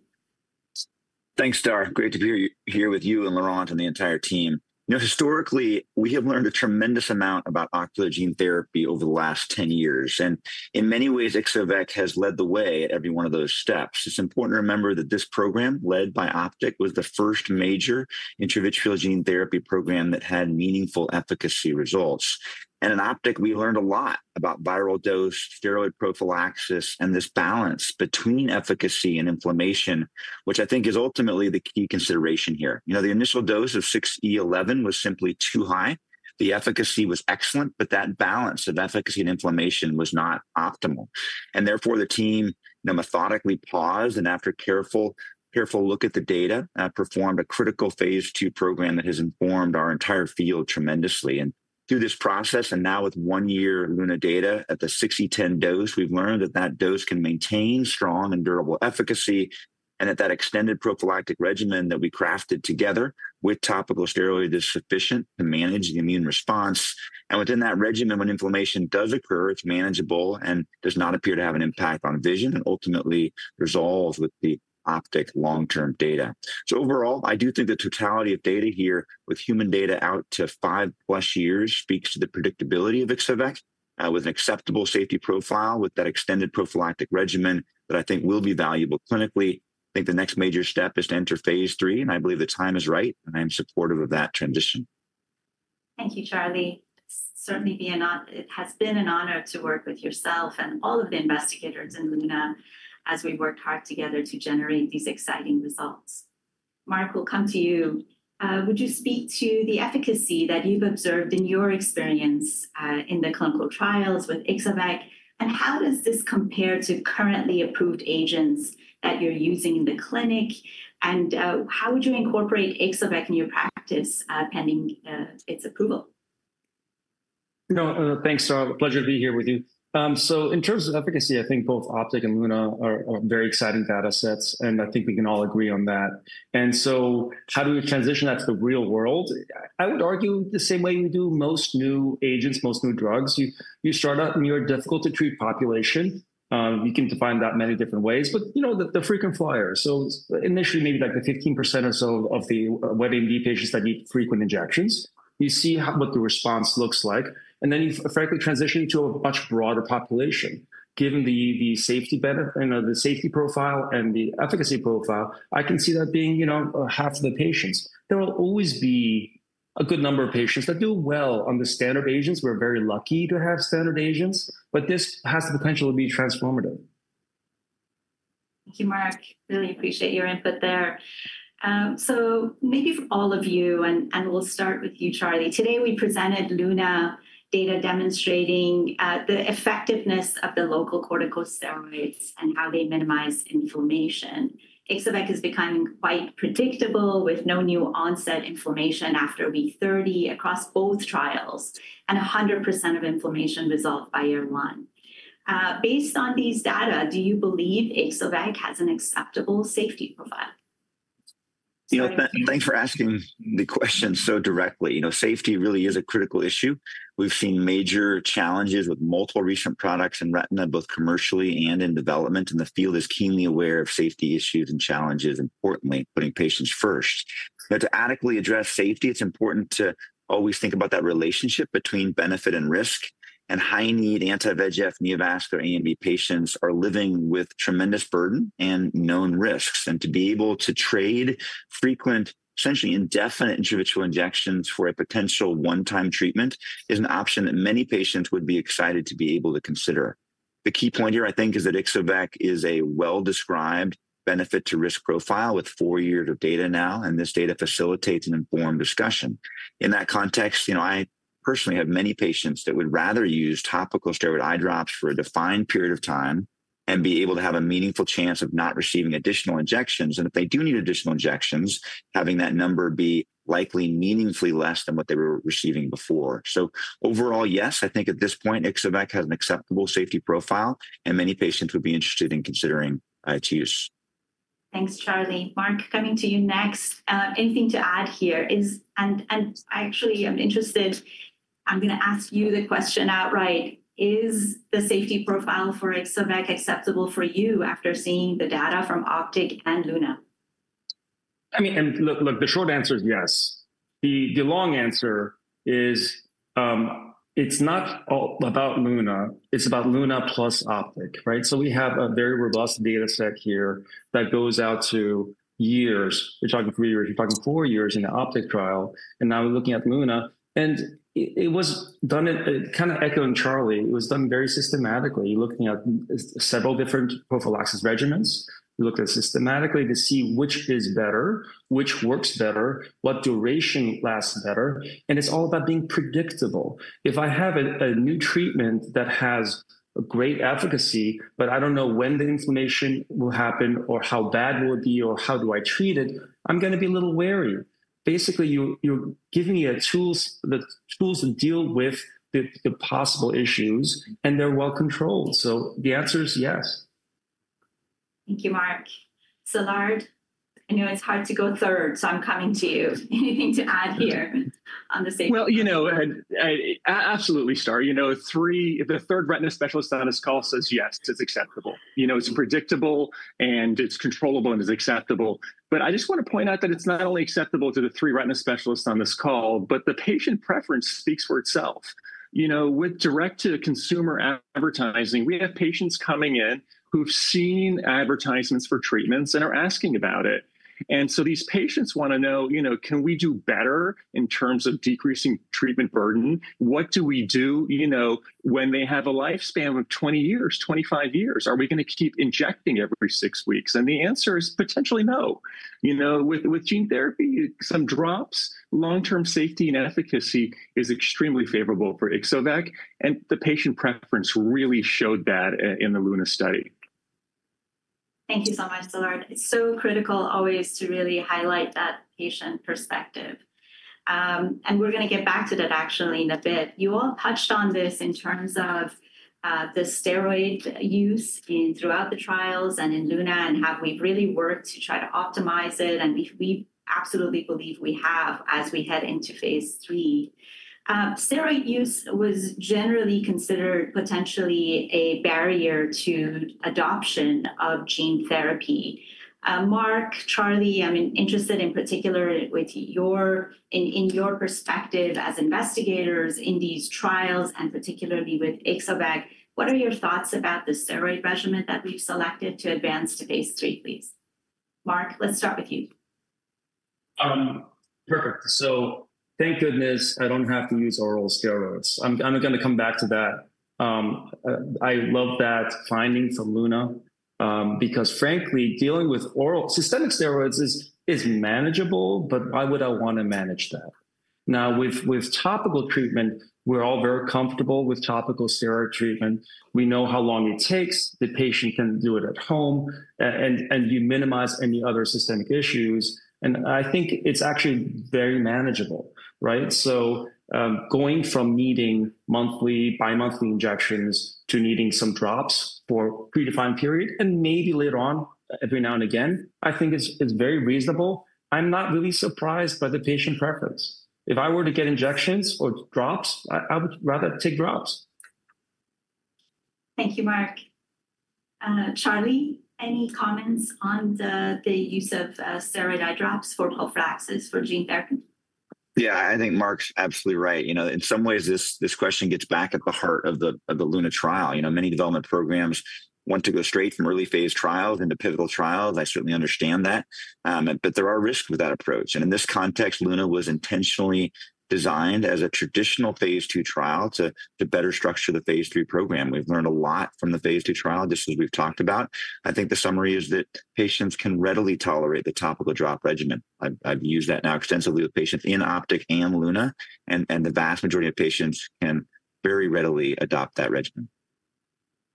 Thanks, Star. Great to be here with you and Laurent and the entire team. You know, historically, we have learned a tremendous amount about ocular gene therapy over the last 10 years. And in many ways, Ixo-vec has led the way at every one of those steps. It's important to remember that this program led by Optic was the first major intravitreal gene therapy program that had meaningful efficacy results. And in Optic, we learned a lot about viral dose, steroid prophylaxis, and this balance between efficacy and inflammation, which I think is ultimately the key consideration here. You know, the initial dose of 6E11 was simply too high. The efficacy was excellent, but that balance of efficacy and inflammation was not optimal. And therefore, the team methodically paused and, after a careful look at the data, performed a critical phase II program that has informed our entire field tremendously. And through this process, and now with one-year Luna data at the 6E10 dose, we've learned that that dose can maintain strong and durable efficacy and that that extended prophylactic regimen that we crafted together with topical steroid is sufficient to manage the immune response. And within that regimen, when inflammation does occur, it's manageable and does not appear to have an impact on vision and ultimately resolves with the Optic long-term data. So overall, I do think the totality of data here with human data out to 5+ years speaks to the predictability of Ixo-vec with an acceptable safety profile with that extended prophylactic regimen that I think will be valuable clinically. I think the next major step is to enter phase III, and I believe the time is right, and I am supportive of that transition. Thank you, Charlie. It's certainly been an honor to work with yourself and all of the investigators in Luna as we've worked hard together to generate these exciting results. Mark, we'll come to you. Would you speak to the efficacy that you've observed in your experience in the clinical trials with Ixo-vec, and how does this compare to currently approved agents that you're using in the clinic, and how would you incorporate Ixo-vec in your practice pending its approval? No, thanks, Star. A pleasure to be here with you. So in terms of efficacy, I think both Optic and Luna are very exciting data sets, and I think we can all agree on that. And so how do we transition that to the real world? I would argue the same way we do most new agents, most new drugs. You start out in your difficult-to-treat population. You can define that many different ways, but you know the frequent flyers. So initially, maybe like the 15% or so of the wet AMD patients that need frequent injections, you see what the response looks like. And then you frankly transition into a much broader population. Given the safety benefit and the safety profile and the efficacy profile, I can see that being half of the patients. There will always be a good number of patients that do well on the standard agents. We're very lucky to have standard agents, but this has the potential to be transformative. Thank you, Mark. Really appreciate your input there. So maybe for all of you, and we'll start with you, Charlie. Today, we presented Luna data demonstrating the effectiveness of the local corticosteroids and how they minimize inflammation. Ixo-vec is becoming quite predictable with no new onset inflammation after week 30 across both trials and 100% of inflammation resolved by year one. Based on these data, do you believe Ixo-vec has an acceptable safety profile? Thanks for asking the question so directly. You know, safety really is a critical issue. We've seen major challenges with multiple recent products in retina, both commercially and in development, and the field is keenly aware of safety issues and challenges, importantly putting patients first. But to adequately address safety, it's important to always think about that relationship between benefit and risk, and high-need anti-VEGF neovascular AMD patients are living with tremendous burden and known risks, and to be able to trade frequent, essentially indefinite intravitreal injections for a potential one-time treatment is an option that many patients would be excited to be able to consider. The key point here, I think, is that Ixo-vec is a well-described benefit-to-risk profile with four years of data now, and this data facilitates an informed discussion. In that context, you know, I personally have many patients that would rather use topical steroid eye drops for a defined period of time and be able to have a meaningful chance of not receiving additional injections, and if they do need additional injections, having that number be likely meaningfully less than what they were receiving before. So overall, yes, I think at this point, Ixo-vec has an acceptable safety profile, and many patients would be interested in considering its use. Thanks, Charlie. Mark, coming to you next. Anything to add here? And I actually am interested. I'm going to ask you the question outright. Is the safety profile for Ixo-vec acceptable for you after seeing the data from Optic and Luna? I mean, and look, look, the short answer is yes. The long answer is it's not all about Luna. It's about Luna plus Optic, right? So we have a very robust data set here that goes out to years. You're talking three years. You're talking four years in the Optic trial. And now we're looking at Luna. And it was done, kind of echoing Charlie, it was done very systematically. You're looking at several different prophylaxis regimens. You look at it systematically to see which is better, which works better, what duration lasts better. It's all about being predictable. If I have a new treatment that has great efficacy, but I don't know when the inflammation will happen or how bad will it be or how do I treat it, I'm going to be a little wary. Basically, you're giving me the tools to deal with the possible issues, and they're well controlled. So the answer is yes. Thank you, Mark. Szilard, I know it's hard to go third, so I'm coming to you. Anything to add here on the safety? Well, you know, absolutely, Star. You know, the third retina specialist on this call says yes, it's acceptable. You know, it's predictable and it's controllable and it's acceptable. But I just want to point out that it's not only acceptable to the three retina specialists on this call, but the patient preference speaks for itself. You know, with direct-to-consumer advertising, we have patients coming in who've seen advertisements for treatments and are asking about it. And so these patients want to know, you know, can we do better in terms of decreasing treatment burden? What do we do, you know, when they have a lifespan of 20 years, 25 years? Are we going to keep injecting every six weeks? And the answer is potentially no. You know, with gene therapy, some drops, long-term safety and efficacy is extremely favorable for Ixo-vec. And the patient preference really showed that in the Luna study. Thank you so much, Szilard. It's so critical always to really highlight that patient perspective. And we're going to get back to that actually in a bit. You all touched on this in terms of the steroid use throughout the trials and in Luna, and have we really worked to try to optimize it? And we absolutely believe we have as we head into phase III. Steroid use was generally considered potentially a barrier to adoption of gene therapy. Mark, Charlie, I'm interested in particular with your, in your perspective as investigators in these trials and particularly with Ixo-vec, what are your thoughts about the steroid regimen that we've selected to advance to phase III, please? Mark, let's start with you. Perfect. So thank goodness I don't have to use oral steroids. I'm going to come back to that. I love that finding from Luna because, frankly, dealing with oral systemic steroids is manageable, but why would I want to manage that? Now, with topical treatment, we're all very comfortable with topical steroid treatment. We know how long it takes. The patient can do it at home, and you minimize any other systemic issues. And I think it's actually very manageable, right? So going from needing monthly, bi-monthly injections to needing some drops for a predefined period and maybe later on, every now and again, I think it's very reasonable. I'm not really surprised by the patient preference. If I were to get injections or drops, I would rather take drops. Thank you, Mark. Charlie, any comments on the use of steroid eye drops for prophylaxis for gene therapy? Yeah, I think Mark's absolutely right. You know, in some ways, this question gets to the heart of the Luna trial. You know, many development programs want to go straight from early phase trials into pivotal trials. I certainly understand that. But there are risks with that approach. And in this context, Luna was intentionally designed as a traditional phase II trial to better structure the phase III program. We've learned a lot from the phase II trial, just as we've talked about. I think the summary is that patients can readily tolerate the topical drop regimen. I've used that now extensively with patients in Optic and Luna, and the vast majority of patients can very readily adopt that regimen.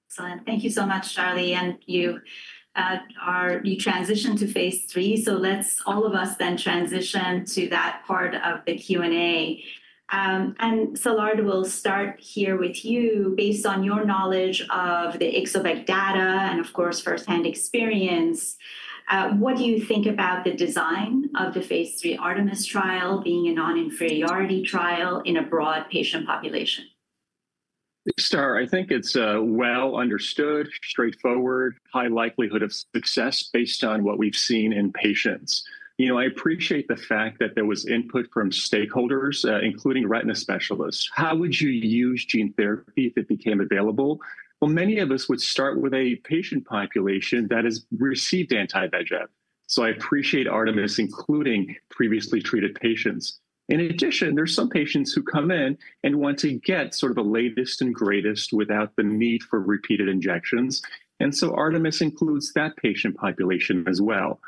Excellent. Thank you so much, Charlie. And you transitioned to phase III. So let's all of us then transition to that part of the Q&A. And Szilard, we'll start here with you. Based on your knowledge of the Ixo-vec data and, of course, firsthand experience, what do you think about the design of the phaseIII Artemis trial being a non-inferiority trial in a broad patient population? Star, I think it's well understood, straightforward, high likelihood of success based on what we've seen in patients. You know, I appreciate the fact that there was input from stakeholders, including retina specialists. How would you use gene therapy if it became available? Well, many of us would start with a patient population that has received anti-VEGF. So I appreciate Artemis, including previously treated patients. In addition, there are some patients who come in and want to get sort of the latest and greatest without the need for repeated injections. And so Artemis includes that patient population as well.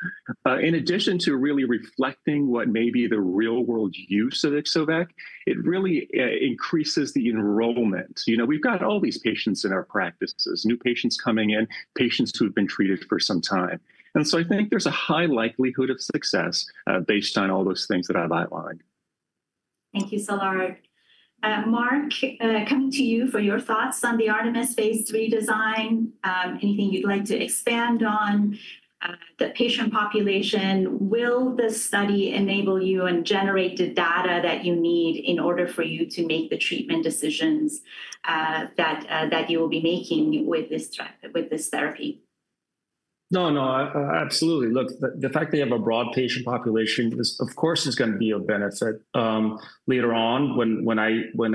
In addition to really reflecting what may be the real-world use of Ixo-vec, it really increases the enrollment. You know, we've got all these patients in our practices, new patients coming in, patients who've been treated for some time. I think there's a high likelihood of success based on all those things that I've outlined. Thank you, Szilard. Mark, coming to you for your thoughts on the Artemis phase III design, anything you'd like to expand on the patient population. Will this study enable you and generate the data that you need in order for you to make the treatment decisions that you will be making with this therapy? No, no, absolutely. Look, the fact that you have a broad patient population is, of course, going to be of benefit. Later on, when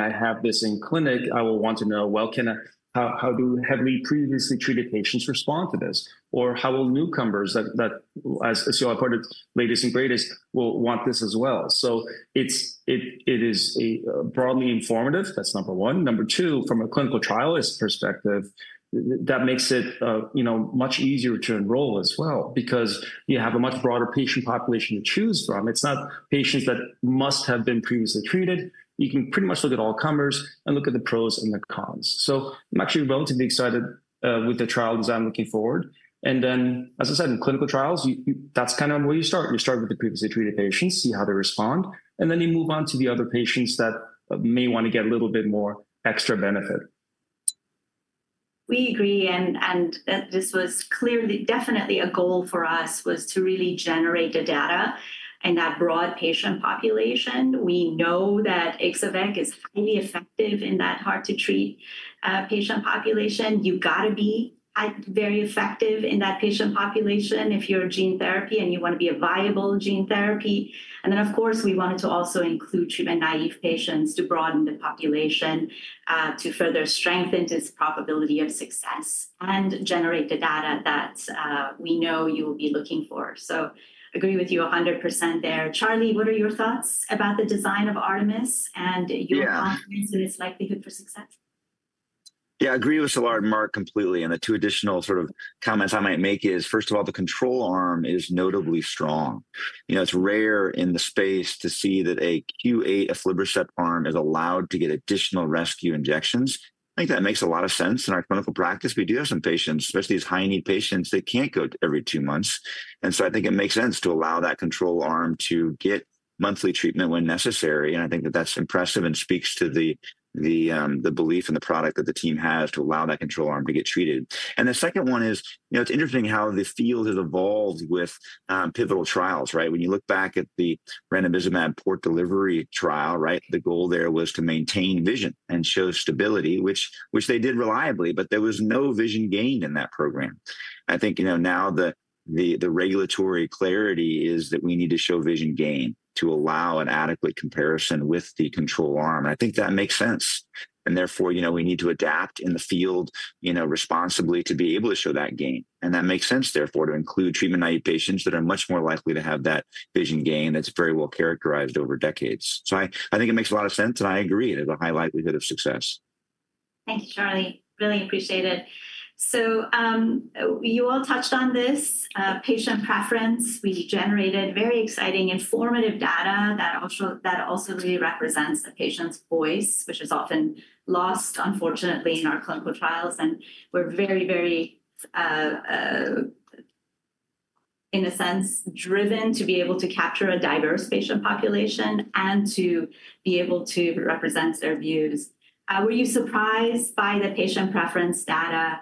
I have this in clinic, I will want to know, well, how do heavily previously treated patients respond to this? Or how will newcomers, as you all heard, latest and greatest, will want this as well? So it is broadly informative. That's number one. Number two, from a clinical trialist perspective, that makes it much easier to enroll as well because you have a much broader patient population to choose from. It's not patients that must have been previously treated. You can pretty much look at all comers and look at the pros and the cons. So I'm actually relatively excited with the trial design looking forward. And then, as I said, in clinical trials, that's kind of where you start. You start with the previously treated patients, see how they respond, and then you move on to the other patients that may want to get a little bit more extra benefit. We agree. And this was clearly definitely a goal for us was to really generate the data in that broad patient population. We know that Ixo-vec is highly effective in that hard-to-treat patient population. You've got to be very effective in that patient population if you're a gene therapy and you want to be a viable gene therapy. And then, of course, we wanted to also include treatment naive patients to broaden the population to further strengthen its probability of success and generate the data that we know you will be looking for. So agree with you 100% there. Charlie, what are your thoughts about the design of Artemis and your comments and its likelihood for success? Yeah, I agree with Szilard and Mark completely. And the two additional sort of comments I might make is, first of all, the control arm is notably strong. You know, it's rare in the space to see that a Q8 aflibercept arm is allowed to get additional rescue injections. I think that makes a lot of sense in our clinical practice. We do have some patients, especially these high-need patients, that can't go every two months. And so I think it makes sense to allow that control arm to get monthly treatment when necessary. And I think that that's impressive and speaks to the belief in the product that the team has to allow that control arm to get treated. And the second one is, you know, it's interesting how the field has evolved with pivotal trials, right? When you look back at the ranibizumab port delivery trial, right, the goal there was to maintain vision and show stability, which they did reliably, but there was no vision gain in that program. I think, you know, now the regulatory clarity is that we need to show vision gain to allow an adequate comparison with the control arm. And I think that makes sense. Therefore, you know, we need to adapt in the field, you know, responsibly to be able to show that gain. That makes sense, therefore, to include treatment-naive patients that are much more likely to have that vision gain that's very well characterized over decades. I think it makes a lot of sense, and I agree, there's a high likelihood of success. Thank you, Charlie. Really appreciate it. You all touched on this patient preference. We generated very exciting, informative data that also really represents the patient's voice, which is often lost, unfortunately, in our clinical trials. We're very, very, in a sense, driven to be able to capture a diverse patient population and to be able to represent their views. Were you surprised by the patient preference data?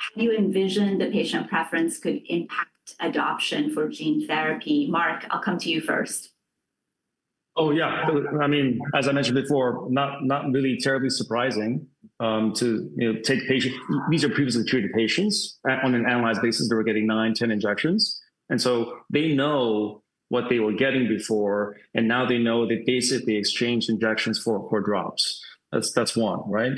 How do you envision the patient preference could impact adoption for gene therapy? Mark, I'll come to you first. Oh, yeah. I mean, as I mentioned before, not really terribly surprising to take patients. These are previously treated patients. On an annualized basis, they were getting nine, ten injections. And so they know what they were getting before, and now they know that basically exchange injections for drops. That's one, right?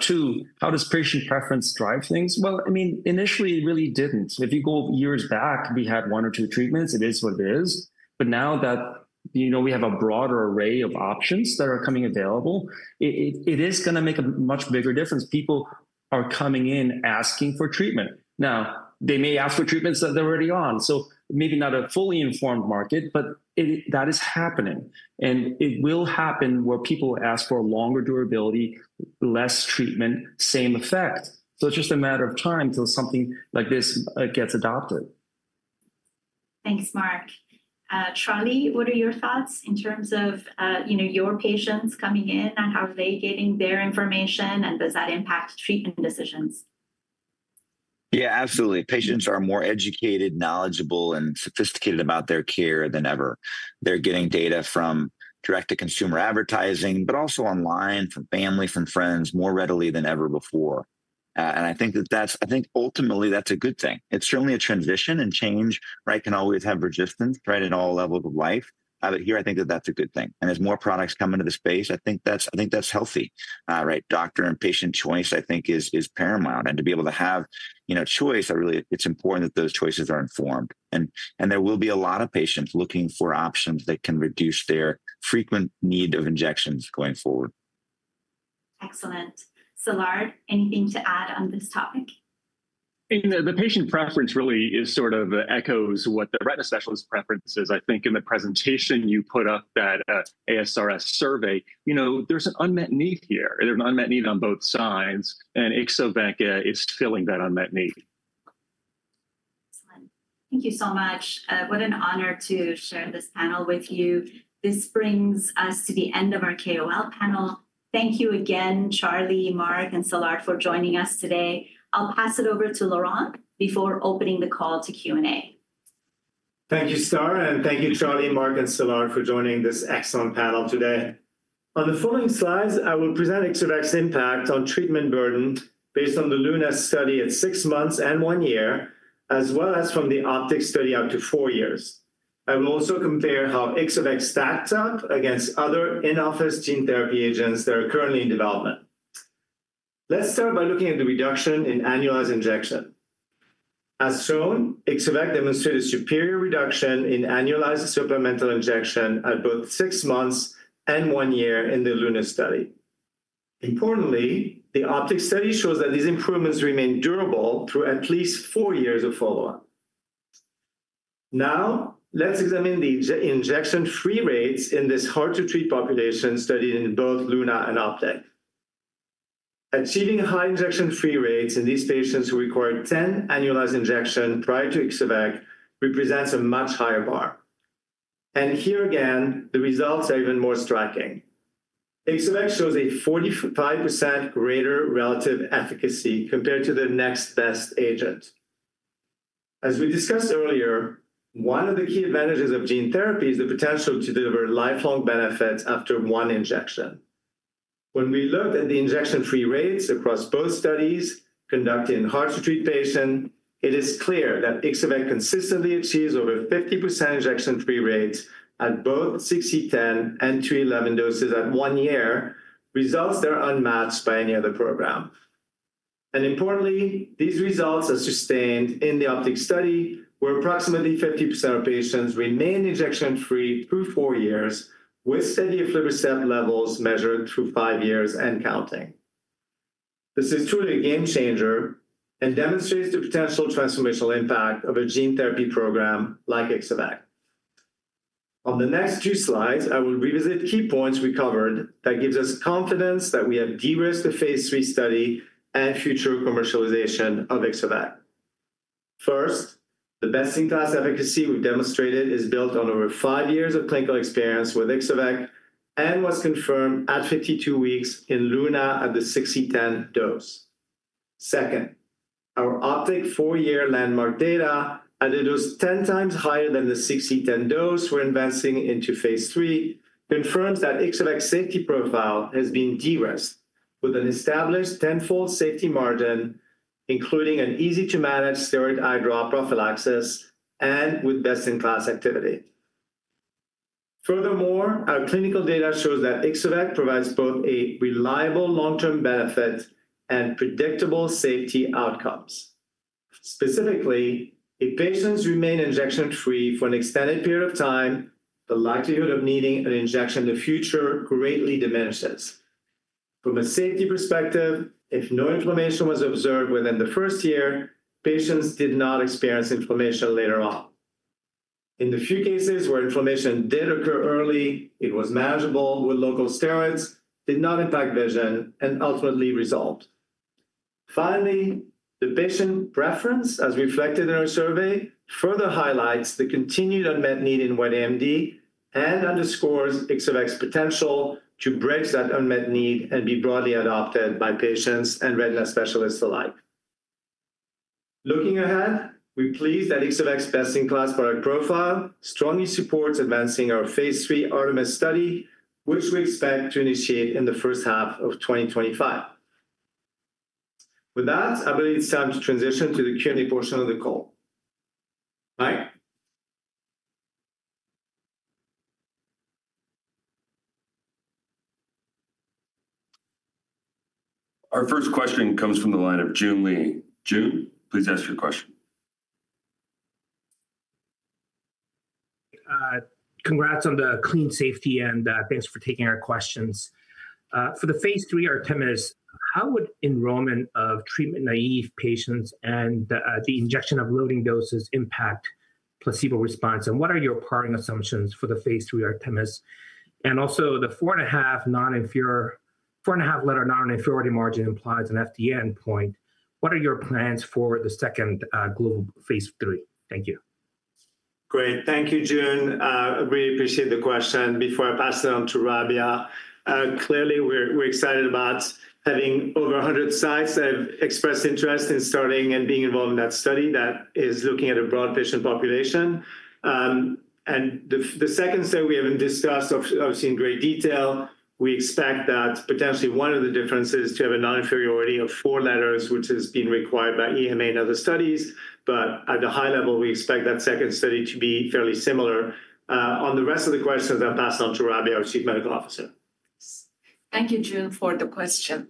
Two, how does patient preference drive things? Well, I mean, initially, it really didn't. If you go years back, we had one or two treatments. It is what it is. But now that, you know, we have a broader array of options that are coming available, it is going to make a much bigger difference. People are coming in asking for treatment. Now, they may ask for treatments that they're already on. So maybe not a fully informed market, but that is happening. It will happen where people ask for longer durability, less treatment, same effect. It's just a matter of time until something like this gets adopted. Thanks, Mark. Charlie, what are your thoughts in terms of, you know, your patients coming in and how are they getting their information, and does that impact treatment decisions? Yeah, absolutely. Patients are more educated, knowledgeable, and sophisticated about their care than ever. They're getting data from direct-to-consumer advertising, but also online, from family, from friends, more readily than ever before. And I think that ultimately, that's a good thing. It's certainly a transition and change, right? Can always have resistance, right, at all levels of life. But here, I think that that's a good thing. And as more products come into the space, I think that's healthy, right? Doctor and patient choice, I think, is paramount. And to be able to have, you know, choice, I really, it's important that those choices are informed. And there will be a lot of patients looking for options that can reduce their frequent need of injections going forward. Excellent. Szilard, anything to add on this topic? The patient preference really sort of echoes what the retina specialist preference is. I think in the presentation you put up, that ASRS survey, you know, there's an unmet need here. There's an unmet need on both sides. And Ixo-vec is filling that unmet need. Excellent. Thank you so much. What an honor to share this panel with you. This brings us to the end of our KOL panel. Thank you again, Charlie, Mark, and Szilard for joining us today. I'll pass it over to Laurent before opening the call to Q&A. Thank you, Star, and thank you, Charlie, Mark, and Szilard for joining this excellent panel today. On the following slides, I will present Ixo-vec's impact on treatment burden based on the Luna study at six months and one year, as well as from the Optic study out to four years. I will also compare how Ixo-vec stacks up against other in-office gene therapy agents that are currently in development. Let's start by looking at the reduction in annualized injection. As shown, Ixo-vec demonstrated superior reduction in annualized supplemental injection at both six months and one year in the Luna study. Importantly, the Optic study shows that these improvements remain durable through at least four years of follow-up. Now, let's examine the injection-free rates in this hard-to-treat population studied in both Luna and Optic. Achieving high injection-free rates in these patients who required ten annualized injections prior to Ixo-vec represents a much higher bar. And here again, the results are even more striking. Ixo-vec shows a 45% greater relative efficacy compared to the next best agent. As we discussed earlier, one of the key advantages of gene therapy is the potential to deliver lifelong benefits after one injection. When we looked at the injection-free rates across both studies conducted in hard-to-treat patients, it is clear that Ixo-vec consistently achieves over 50% injection-free rates at both 6E10 and 2E11 doses at one year, results that are unmatched by any other program. And importantly, these results are sustained in the Optic study, where approximately 50% of patients remain injection-free through four years, with steady aflibercept levels measured through five years and counting. This is truly a game changer and demonstrates the potential transformational impact of a gene therapy program like Ixo-vec. On the next two slides, I will revisit key points we covered that give us confidence that we have de-risked the phase III study and future commercialization of Ixo-vec. First, the best-in-class efficacy we've demonstrated is built on over five years of clinical experience with Ixo-vec and was confirmed at 52 weeks in Luna at the 60/10 dose. Second, our Optic four-year landmark data, at a dose ten times higher than the 60/10 dose we're investing into phase III, confirms that Ixo-vec's safety profile has been de-risked with an established tenfold safety margin, including an easy-to-manage steroid eyedrop prophylaxis and with best-in-class activity. Furthermore, our clinical data shows that Ixo-vec provides both a reliable long-term benefit and predictable safety outcomes. Specifically, if patients remain injection-free for an extended period of time, the likelihood of needing an injection in the future greatly diminishes. From a safety perspective, if no inflammation was observed within the first year, patients did not experience inflammation later on. In the few cases where inflammation did occur early, it was manageable with local steroids, did not impact vision, and ultimately resolved. Finally, the patient preference, as reflected in our survey, further highlights the continued unmet need in wet AMD and underscores Ixo-vec's potential to bridge that unmet need and be broadly adopted by patients and retina specialists alike. Looking ahead, we're pleased that Ixo-vec's best-in-class product profile strongly supports advancing our phase III Artemis study, which we expect to initiate in the first half of 2025. With that, I believe it's time to transition to the Q&A portion of the call. Mike? Our first question comes from the line of Joon Lee. Joon, please ask your question. Congrats on the clean safety, and thanks for taking our questions. For the phase III Artemis, how would enrollment of treatment naive patients and the injection of loading doses impact placebo response? And what are your primary assumptions for the phase III Artemis? And also, the four and a half non-inferiority margin implies an FDA endpoint. What are your plans for the second global phase III? Thank you. Great.Thank you, Joon. I really appreciate the question. Before I pass it on to Rabia, clearly, we're excited about having over 100 sites that have expressed interest in starting and being involved in that study that is looking at a broad patient population. And the second study we haven't discussed, obviously, in great detail. We expect that potentially one of the differences is to have a non-inferiority of four letters, which has been required by EMA and other studies. But at a high level, we expect that second study to be fairly similar. On the rest of the questions, I'll pass it on to Rabia, our Chief Medical Officer. Thank you, Joon, for the question.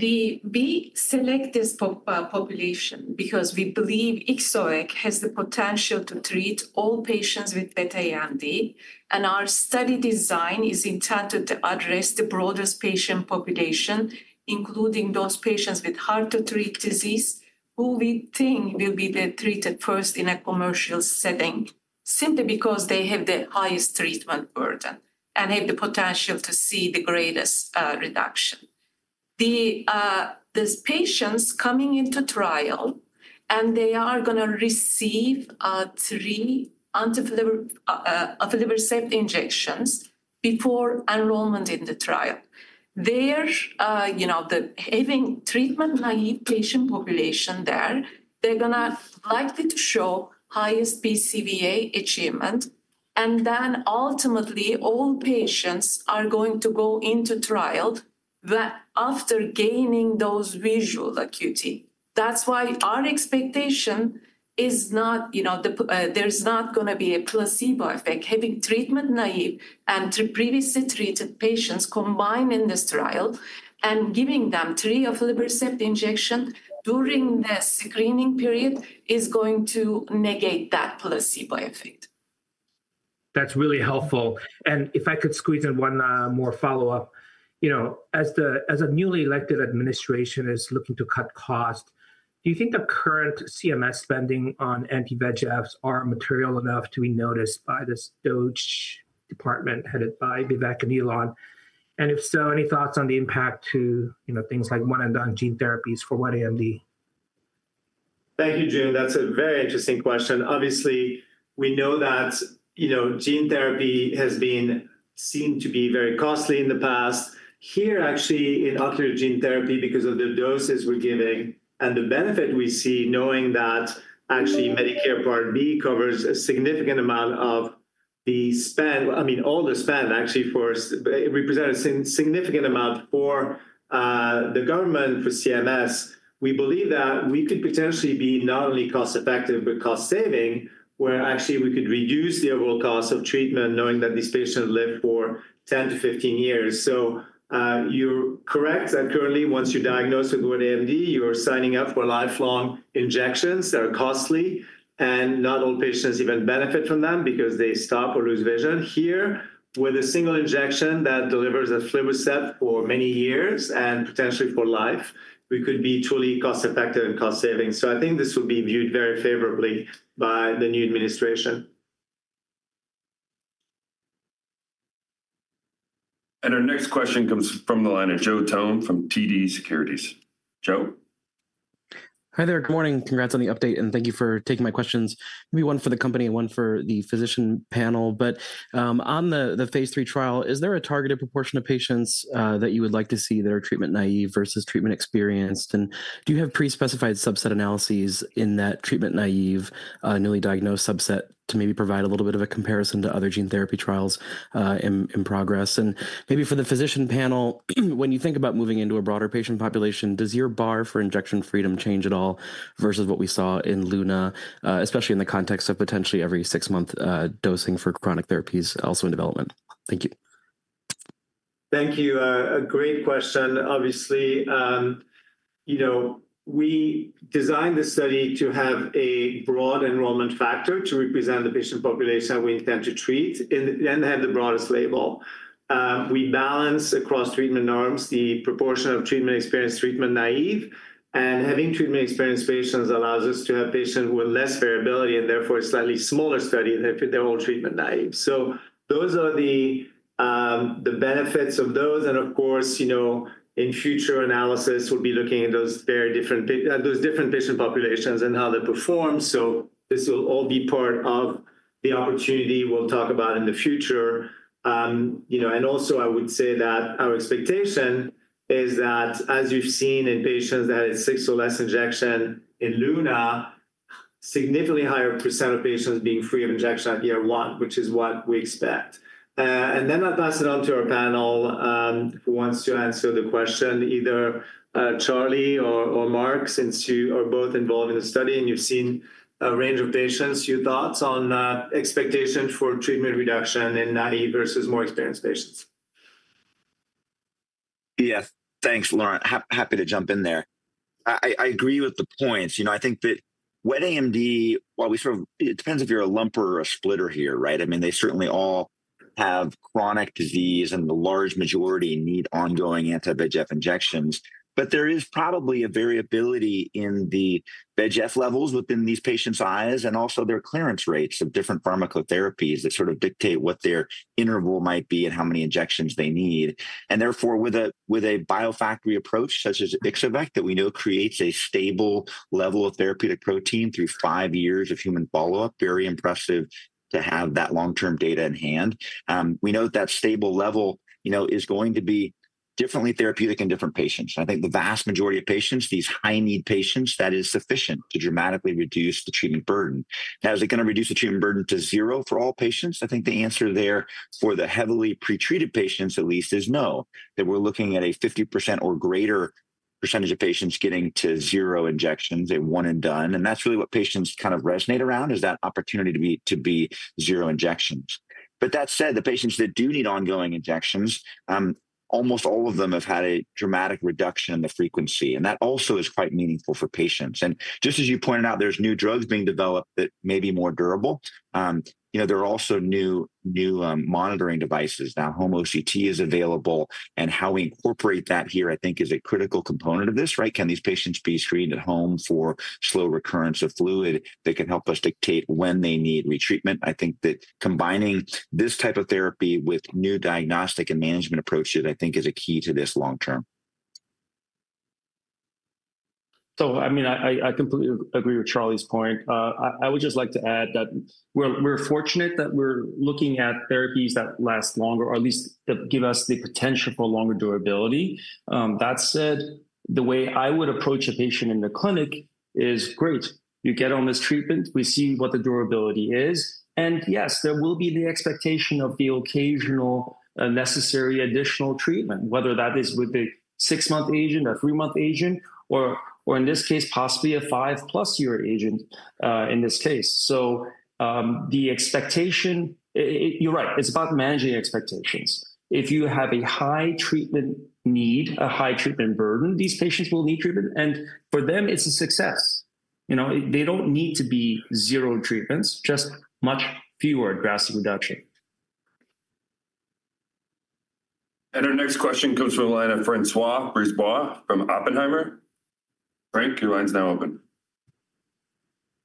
We select this population because we believe Ixo-vec has the potential to treat all patients with wet AMD, and our study design is intended to address the broadest patient population, including those patients with hard-to-treat disease who we think will be treated first in a commercial setting, simply because they have the highest treatment burden and have the potential to see the greatest reduction. The patients coming into trial, and they are going to receive three aflibercept injections before enrollment in the trial. There, you know, having treatment naive patient population there, they're going to likely show highest BCVA achievement. And then ultimately, all patients are going to go into trial after gaining those visual acuity. That's why our expectation is not, you know, there's not going to be a placebo effect. Having treatment naive and previously treated patients combined in this trial and giving them three aflibercept injections during the screening period is going to negate that placebo effect. That's really helpful. And if I could squeeze in one more follow-up, you know, as a newly elected administration is looking to cut costs, do you think the current CMS spending on anti-VEGFs are material enough to be noticed by this DOGE department headed by Vivek and Elon? And if so, any thoughts on the impact to, you know, things like one-and-done gene therapies for wet AMD? Thank you, Jun. That's a very interesting question. Obviously, we know that, you know, gene therapy has been seen to be very costly in the past. Here, actually, in ocular gene therapy, because of the doses we're giving and the benefit we see, knowing that actually Medicare Part B covers a significant amount of the spend, I mean, all the spend actually for, it represents a significant amount for the government, for CMS, we believe that we could potentially be not only cost-effective, but cost-saving, where actually we could reduce the overall cost of treatment, knowing that these patients live for 10 to 15 years. So you're correct that currently, once you're diagnosed with wet AMD, you're signing up for lifelong injections that are costly, and not all patients even benefit from them because they stop or lose vision. Here, with a single injection that delivers aflibercept for many years and potentially for life, we could be truly cost-effective and cost-saving. Our next question comes from the line of Joe Thome from TD Securities. Joe? Hi there. Good morning. Congrats on the update, and thank you for taking my questions. Maybe one for the company and one for the physician panel. On the phase III trial, is there a targeted proportion of patients that you would like to see that are treatment naive versus treatment experienced? Do you have pre-specified subset analyses in that treatment naive, newly diagnosed subset to maybe provide a little bit of a comparison to other gene therapy trials in progress? And maybe for the physician panel, when you think about moving into a broader patient population, does your bar for injection freedom change at all versus what we saw in Luna, especially in the context of potentially every six-month dosing for chronic therapies also in development? Thank you. Thank you. A great question. Obviously, you know, we designed the study to have a broad enrollment factor to represent the patient population we intend to treat and have the broadest label. We balance across treatment norms the proportion of treatment experienced, treatment naive, and having treatment experienced patients allows us to have patients with less variability and therefore a slightly smaller study than if they're all treatment naive. So those are the benefits of those. And of course, you know, in future analysis, we'll be looking at those very different, those different patient populations and how they perform. So this will all be part of the opportunity we'll talk about in the future. You know, and also, I would say that our expectation is that, as you've seen in patients that had six or less injections in Luna, a significantly higher % of patients being free of injection at year one, which is what we expect. And then I'll pass it on to our panel who wants to answer the question, either Charlie or Mark since you are both involved in the study and you've seen a range of patients. Your thoughts on expectations for treatment reduction in naive versus more experienced patients? Yes. Thanks, Laurent. Happy to jump in there. I agree with the points. You know, I think that wet AMD, while we sort of, it depends if you're a lumper or a splitter here, right? I mean, they certainly all have chronic disease, and the large majority need ongoing anti-VEGF injections. But there is probably a variability in the VEGF levels within these patients' eyes and also their clearance rates of different pharmacotherapies that sort of dictate what their interval might be and how many injections they need. And therefore, with a biofactory approach such as Ixo-vec that we know creates a stable level of therapeutic protein through five years of human follow-up, very impressive to have that long-term data in hand, we know that that stable level, you know, is going to be differently therapeutic in different patients. I think the vast majority of patients, these high-need patients, that is sufficient to dramatically reduce the treatment burden. Now, is it going to reduce the treatment burden to zero for all patients? I think the answer there for the heavily pretreated patients, at least, is no, that we're looking at a 50% or greater percentage of patients getting to zero injections at one and done. And that's really what patients kind of resonate around, is that opportunity to be zero injections. But that said, the patients that do need ongoing injections, almost all of them have had a dramatic reduction in the frequency. And that also is quite meaningful for patients. And just as you pointed out, there's new drugs being developed that may be more durable. You know, there are also new monitoring devices. Now, home OCT is available. And how we incorporate that here, I think, is a critical component of this, right? Can these patients be screened at home for slow recurrence of fluid that could help us dictate when they need retreatment? I think that combining this type of therapy with new diagnostic and management approaches, I think, is a key to this long term. So, I mean, I completely agree with Charlie's point. I would just like to add that we're fortunate that we're looking at therapies that last longer, or at least that give us the potential for longer durability. That said, the way I would approach a patient in the clinic is great. You get on this treatment, we see what the durability is. And yes, there will be the expectation of the occasional necessary additional treatment, whether that is with the six-month agent, a three-month agent, or, in this case, possibly a five-plus-year agent in this case. So the expectation, you're right, it's about managing expectations. If you have a high treatment need, a high treatment burden, these patients will need treatment. And for them, it's a success. You know, they don't need to be zero treatments, just much fewer drastic reduction. And our next question comes from the line of François Brisebois from Oppenheimer. Frank, your line's now open.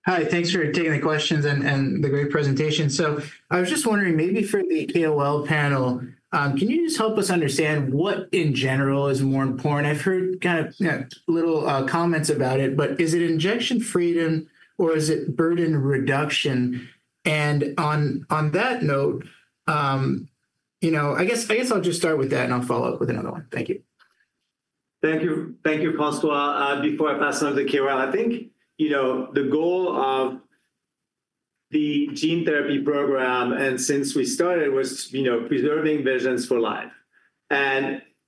Hi. Thanks for taking the questions and the great presentation. So I was just wondering, maybe for the KOL panel, can you just help us understand what, in general, is more important? I've heard kind of little comments about it, but is it injection freedom or is it burden reduction? And on that note, you know, I guess I'll just start with that, and I'll follow up with another one. Thank you. Thank you. Thank you, François. Before I pass it on to the KOL, I think, you know, the goal of the gene therapy program, and since we started, was, you know, preserving visions for life.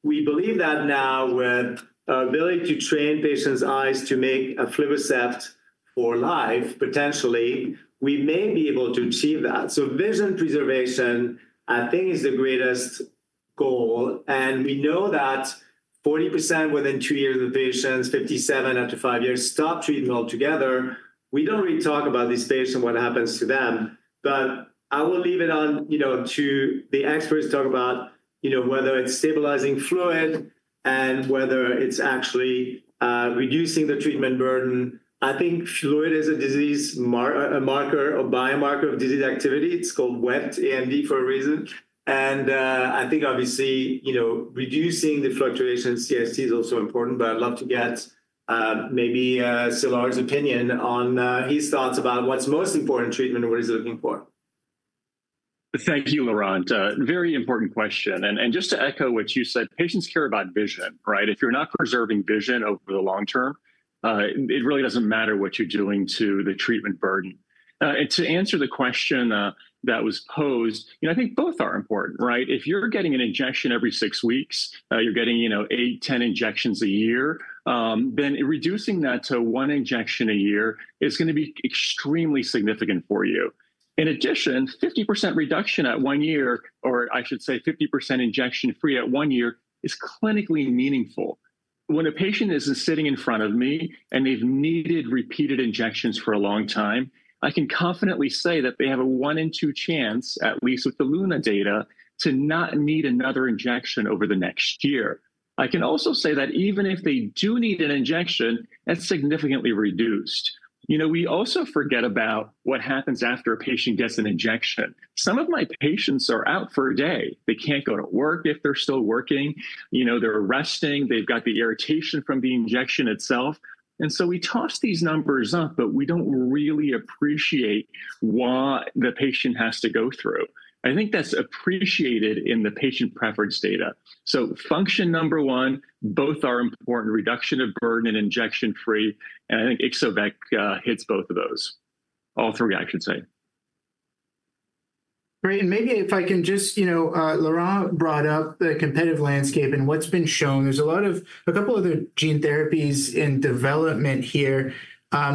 We believe that now with our ability to train patients' eyes to make aflibercept for life, potentially, we may be able to achieve that. So vision preservation, I think, is the greatest goal. We know that 40% within two years of diagnosis, 57% after five years stop treatment altogether. We don't really talk about this phase and what happens to them. But I will leave it on, you know, to the experts to talk about, you know, whether it's stabilizing fluid and whether it's actually reducing the treatment burden. I think fluid is a disease marker, a biomarker of disease activity. It's called wet AMD for a reason. And I think, obviously, you know, reducing the fluctuation in CST is also important. But I'd love to get maybe Szilard's opinion on his thoughts about what's most important in treatment and what he's looking for. Thank you, Laurent. Very important question. And just to echo what you said, patients care about vision, right? If you're not preserving vision over the long term, it really doesn't matter what you're doing to the treatment burden. And to answer the question that was posed, you know, I think both are important, right? If you're getting an injection every six weeks, you're getting, you know, eight, 10 injections a year, then reducing that to one injection a year is going to be extremely significant for you. In addition, 50% reduction at one year, or I should say 50% injection free at one year, is clinically meaningful. When a patient is sitting in front of me and they've needed repeated injections for a long time, I can confidently say that they have a one-in-two chance, at least with the Luna data, to not need another injection over the next year. I can also say that even if they do need an injection, that's significantly reduced. You know, we also forget about what happens after a patient gets an injection. Some of my patients are out for a day. They can't go to work if they're still working. You know, they're resting. They've got the irritation from the injection itself. And so we toss these numbers up, but we don't really appreciate what the patient has to go through. I think that's appreciated in the patient preference data. So function number one, both are important: reduction of burden and injection free. And I think Ixo-vec hits both of those, all three, I should say. Great. And maybe if I can just, you know, Laurent brought up the competitive landscape and what's been shown. There's a lot of a couple of other gene therapies in development here.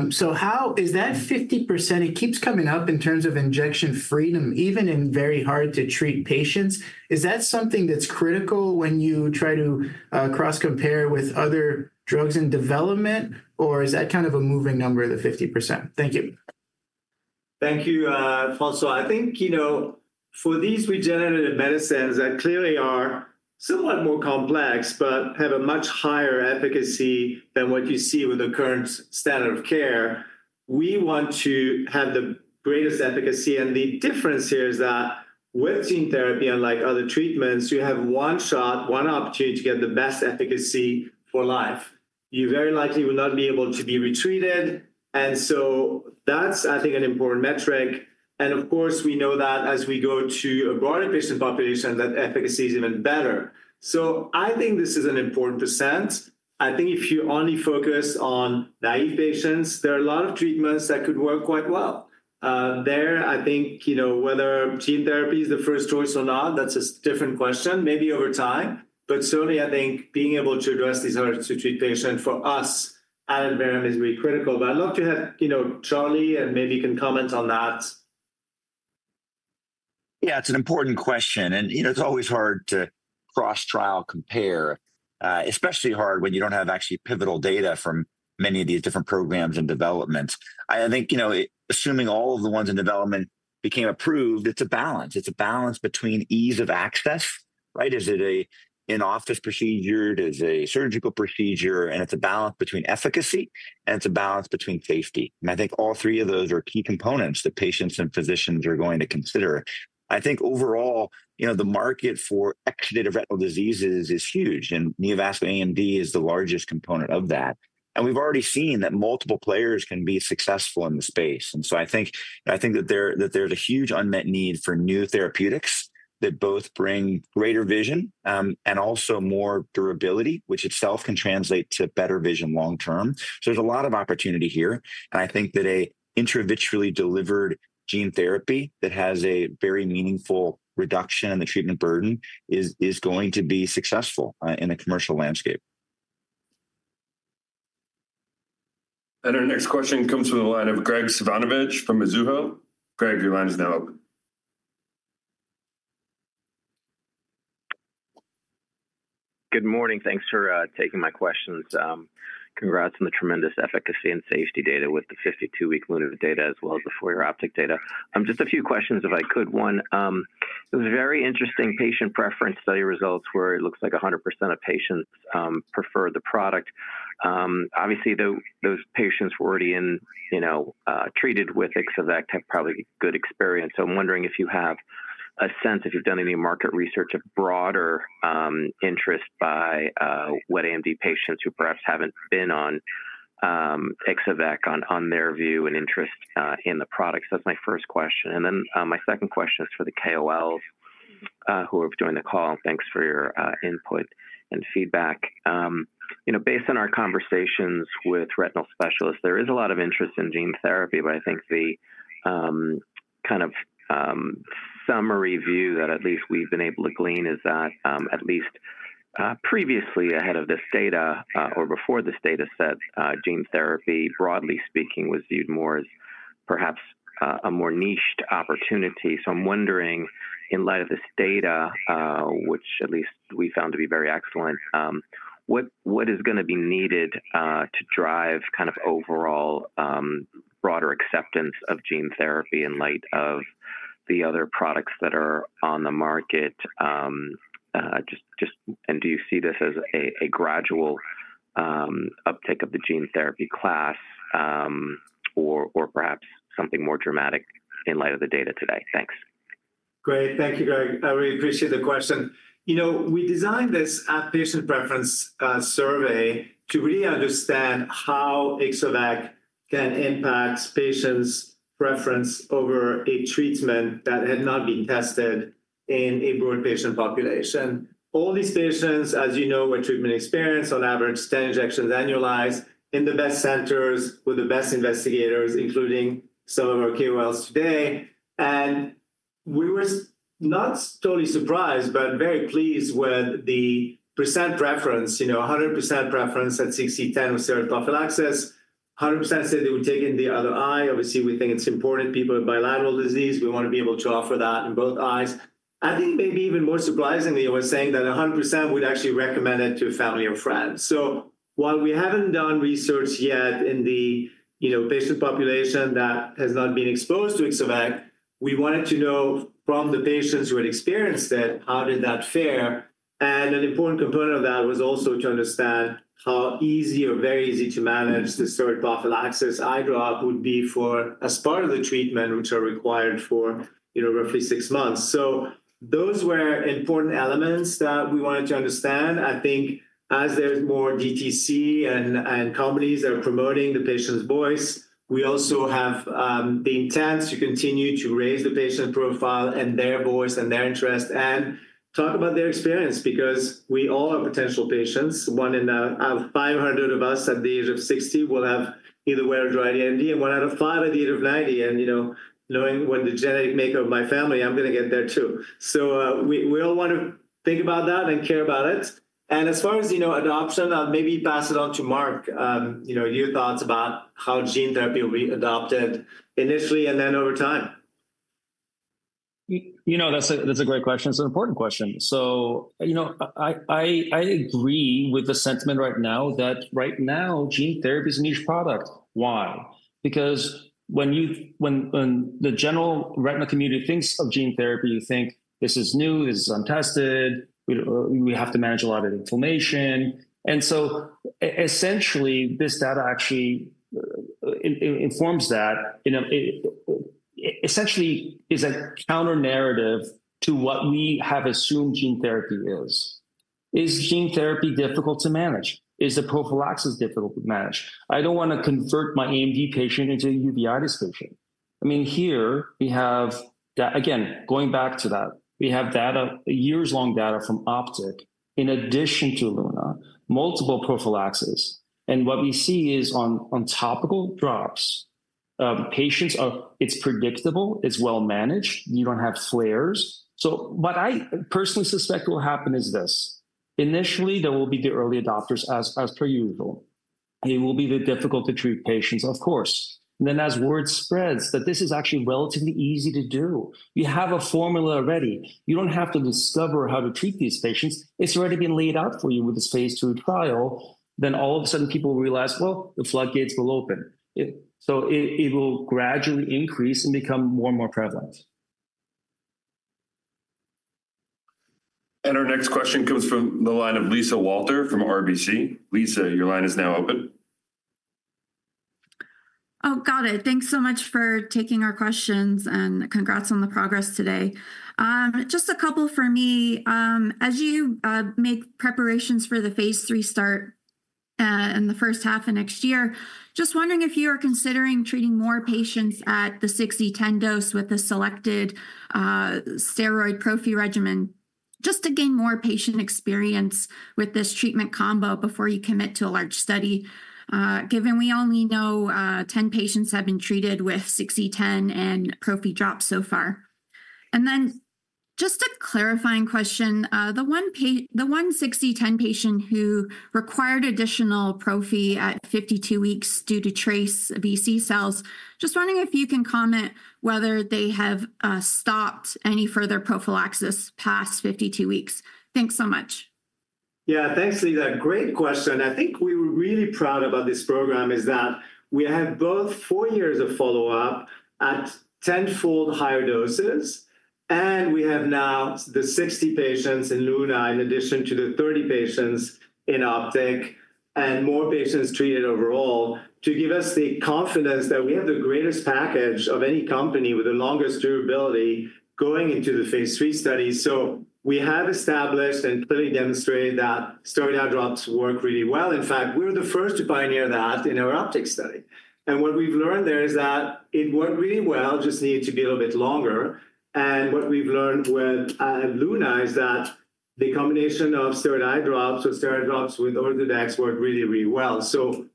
So how is that 50%? It keeps coming up in terms of injection freedom, even in very hard-to-treat patients. Is that something that's critical when you try to cross-compare with other drugs in development, or is that kind of a moving number, the 50%? Thank you. Thank you, François. I think, you know, for these regenerative medicines that clearly are somewhat more complex but have a much higher efficacy than what you see with the current standard of care, we want to have the greatest efficacy. And the difference here is that with gene therapy, unlike other treatments, you have one shot, one opportunity to get the best efficacy for life. You very likely will not be able to be retreated. And so that's, I think, an important metric. And of course, we know that as we go to a broader patient population, that efficacy is even better. I think this is an important point. I think if you only focus on naive patients, there are a lot of treatments that could work quite well. There, I think, you know, whether gene therapy is the first choice or not, that's a different question, maybe over time. But certainly, I think being able to address these hard-to-treat patients for us at Adverum is really critical. But I'd love to have, you know, Charlie, and maybe you can comment on that. Yeah, it's an important question. And, you know, it's always hard to cross-trial compare, especially hard when you don't have actually pivotal data from many of these different programs in development. I think, you know, assuming all of the ones in development became approved, it's a balance. It's a balance between ease of access, right? Is it an in-office procedure? Is it a surgical procedure? It's a balance between efficacy, and it's a balance between safety. I think all three of those are key components that patients and physicians are going to consider. I think overall, you know, the market for exudative retinal diseases is huge, and neovascular AMD is the largest component of that. We've already seen that multiple players can be successful in the space. So I think that there's a huge unmet need for new therapeutics that both bring greater vision and also more durability, which itself can translate to better vision long term. There's a lot of opportunity here. I think that an interventionally delivered gene therapy that has a very meaningful reduction in the treatment burden is going to be successful in the commercial landscape. Our next question comes from the line of Graig Suvannavejh from Mizuho Securities. Graig, your line is now open. Good morning. Thanks for taking my questions. Congrats on the tremendous efficacy and safety data with the 52-week Luna data as well as the four-year optic data. Just a few questions, if I could. One, it was very interesting patient preference study results where it looks like 100% of patients prefer the product. Obviously, those patients were already in, you know, treated with Ixo-vec, have probably good experience. So I'm wondering if you have a sense, if you've done any market research, a broader interest by wet AMD patients who perhaps haven't been on Ixo-vec on their view and interest in the product. So that's my first question. And then my second question is for the KOLs who are joining the call. Thanks for your input and feedback. You know, based on our conversations with retinal specialists, there is a lot of interest in gene therapy, but I think the kind of summary view that at least we've been able to glean is that at least previously, ahead of this data or before this data set, gene therapy, broadly speaking, was viewed more as perhaps a more niched opportunity. So I'm wondering, in light of this data, which at least we found to be very excellent, what is going to be needed to drive kind of overall broader acceptance of gene therapy in light of the other products that are on the market? And do you see this as a gradual uptake of the gene therapy class or perhaps something more dramatic in light of the data today? Thanks. Great. Thank you, Graig. I really appreciate the question. You know, we designed this patient preference survey to really understand how Ixo-vec can impact patients' preference over a treatment that had not been tested in a broad patient population. All these patients, as you know, were treatment experienced, on average, 10 injections annualized in the best centers with the best investigators, including some of our KOLs today, and we were not totally surprised, but very pleased with the percent preference, you know, 100% preference at 6E10 with steroid prophylaxis. 100% said they were treating the other eye. Obviously, we think it's important to people with bilateral disease. We want to be able to offer that in both eyes. I think maybe even more surprisingly, it was saying that 100% would actually recommend it to a family or friend. While we haven't done research yet in the, you know, patient population that has not been exposed to Ixo-vec, we wanted to know from the patients who had experienced it, how did that fare? And an important component of that was also to understand how easy or very easy to manage the steroid prophylaxis eye drop would be for, as part of the treatment, which are required for, you know, roughly six months. So those were important elements that we wanted to understand. I think as there's more DTC and companies that are promoting the patient's voice, we also have the intent to continue to raise the patient profile and their voice and their interest and talk about their experience because we all are potential patients. One out of 500 of us at the age of 60 will have either wet or dry AMD, and one out of five at the age of 90. And, you know, knowing what the genetic makeup of my family, I'm going to get there too. So we all want to think about that and care about it. And as far as, you know, adoption, I'll maybe pass it on to Mark, you know, your thoughts about how gene therapy will be adopted initially and then over time. You know, that's a great question. It's an important question. So, you know, I agree with the sentiment right now that right now, gene therapy is a niche product. Why? Because when the general retinal community thinks of gene therapy, you think this is new, this is untested, we have to manage a lot of inflammation. And so essentially, this data actually informs that, you know, essentially is a counter-narrative to what we have assumed gene therapy is. Is gene therapy difficult to manage? Is the prophylaxis difficult to manage? I don't want to convert my AMD patient into a uveitis patient. I mean, here we have that, again, going back to that, we have data, years-long data from Optic in addition to Luna, multiple prophylaxis. And what we see is on topical drops, patients are, it's predictable, it's well-managed, you don't have flares. So what I personally suspect will happen is this. Initially, there will be the early adopters as per usual. It will be the difficult-to-treat patients, of course. And then as word spreads that this is actually relatively easy to do. You have a formula already. You don't have to discover how to treat these patients. It's already been laid out for you with this phase II trial. Then all of a sudden, people realize, well, the floodgates will open. So it will gradually increase and become more and more prevalent. Our next question comes from the line of Lisa Walter from RBC. Lisa, your line is now open. Oh, got it. Thanks so much for taking our questions and congrats on the progress today. Just a couple for me. As you make preparations for the phase III start in the first half of next year, just wondering if you are considering treating more patients at the 60/10 dose with the selected steroid prophy regimen just to gain more patient experience with this treatment combo before you commit to a large study, given we only know 10 patients have been treated with 60/10 and prophy drops so far. Then just a clarifying question. The one 60/10 patient who required additional prophy at 52 weeks due to trace BC cells, just wondering if you can comment whether they have stopped any further prophylaxis past 52 weeks. Thanks so much. Yeah, thanks, Lisa. Great question. I think we were really proud about this program is that we have both four years of follow-up at tenfold higher doses, and we have now the 60 patients in Luna in addition to the 30 patients in Optic and more patients treated overall to give us the confidence that we have the greatest package of any company with the longest durability going into the phase III study. So we have established and clearly demonstrated that steroid eye drops work really well. In fact, we were the first to pioneer that in our Optic study. And what we've learned there is that it worked really well, just needed to be a little bit longer. And what we've learned with Luna is that the combination of steroid eye drops or steroid drops with Ozurdex worked really, really well. So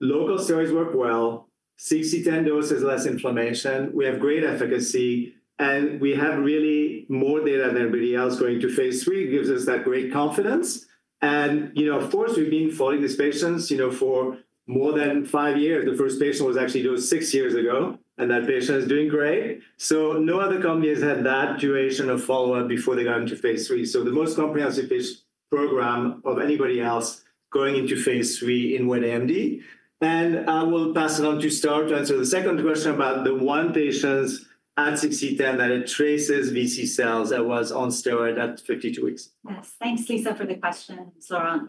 local steroids work well, 6E10 dose is less inflammation. We have great efficacy, and we have really more data than anybody else going into phase III. It gives us that great confidence. And, you know, of course, we've been following these patients, you know, for more than five years. The first patient was actually dosed six years ago, and that patient is doing great. So no other company has had that duration of follow-up before they got into phase III. So the most comprehensive patient program of anybody else going into phase III in wet AMD. I will pass it on to Star to answer the second question about the one patient at 60/10 that had traces BC cells that was on steroids at 52 weeks. Yes. Thanks, Lisa, for the question, Star.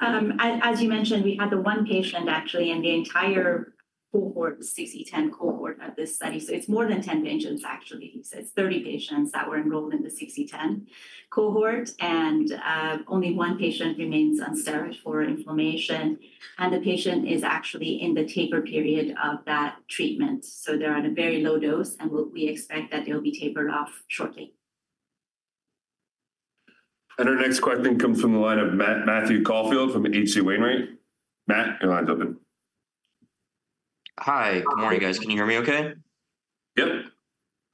As you mentioned, we had the one patient actually in the entire cohort, 60/10 cohort of this study. So it's more than 10 patients, actually. So it's 30 patients that were enrolled in the 60/10 cohort, and only one patient remains on steroids for inflammation. And the patient is actually in the taper period of that treatment. So they're on a very low dose, and we expect that they'll be tapered off shortly. And our next question comes from the line of Matthew Caufield from H.C. Wainwright. Matt, your line's open. Hi. Good morning, guys. Can you hear me okay? Yep.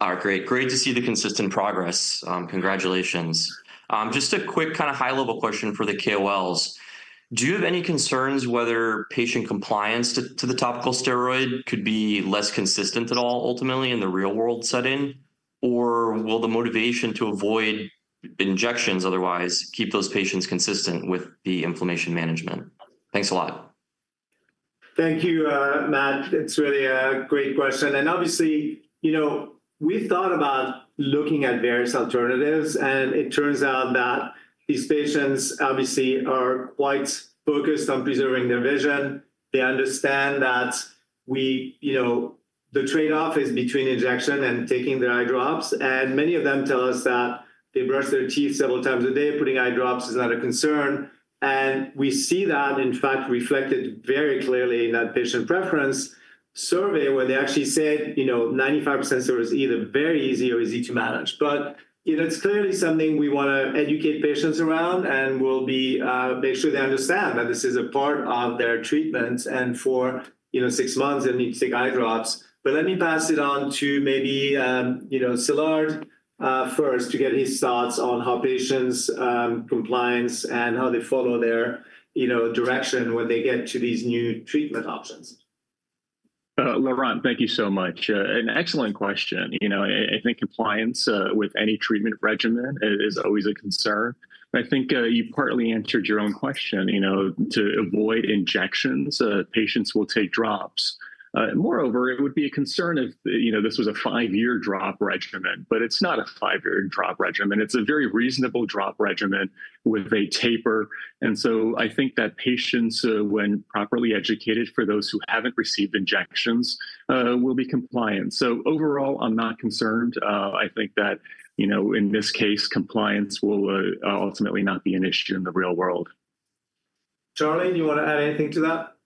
All right. Great. Great to see the consistent progress. Congratulations. Just a quick kind of high-level question for the KOLs. Do you have any concerns whether patient compliance to the topical steroid could be less consistent at all ultimately in the real-world setting, or will the motivation to avoid injections otherwise keep those patients consistent with the inflammation management? Thanks a lot. Thank you, Matt. It's really a great question. And obviously, you know, we've thought about looking at various alternatives, and it turns out that these patients obviously are quite focused on preserving their vision. They understand that we, you know, the trade-off is between injection and taking the eye drops. And many of them tell us that they brush their teeth several times a day. Putting eye drops is not a concern. And we see that, in fact, reflected very clearly in that patient preference survey where they actually said, you know, 95% steroids are either very easy or easy to manage. But, you know, it's clearly something we want to educate patients around and will be make sure they understand that this is a part of their treatment. And for, you know, six months, they need to take eye drops. But let me pass it on to maybe, you know, Szilard first to get his thoughts on how patients' compliance and how they follow their, you know, direction when they get to these new treatment options. Laurent, thank you so much. An excellent question. You know, I think compliance with any treatment regimen is always a concern. I think you partly answered your own question. You know, to avoid injections, patients will take drops. Moreover, it would be a concern if, you know, this was a five-year drop regimen, but it's not a five-year drop regimen. It's a very reasonable drop regimen with a taper. And so I think that patients, when properly educated for those who haven't received injections, will be compliant. So overall, I'm not concerned. I think that, you know, in this case, compliance will ultimately not be an issue in the real world. Charlie, do you want to add anything to that?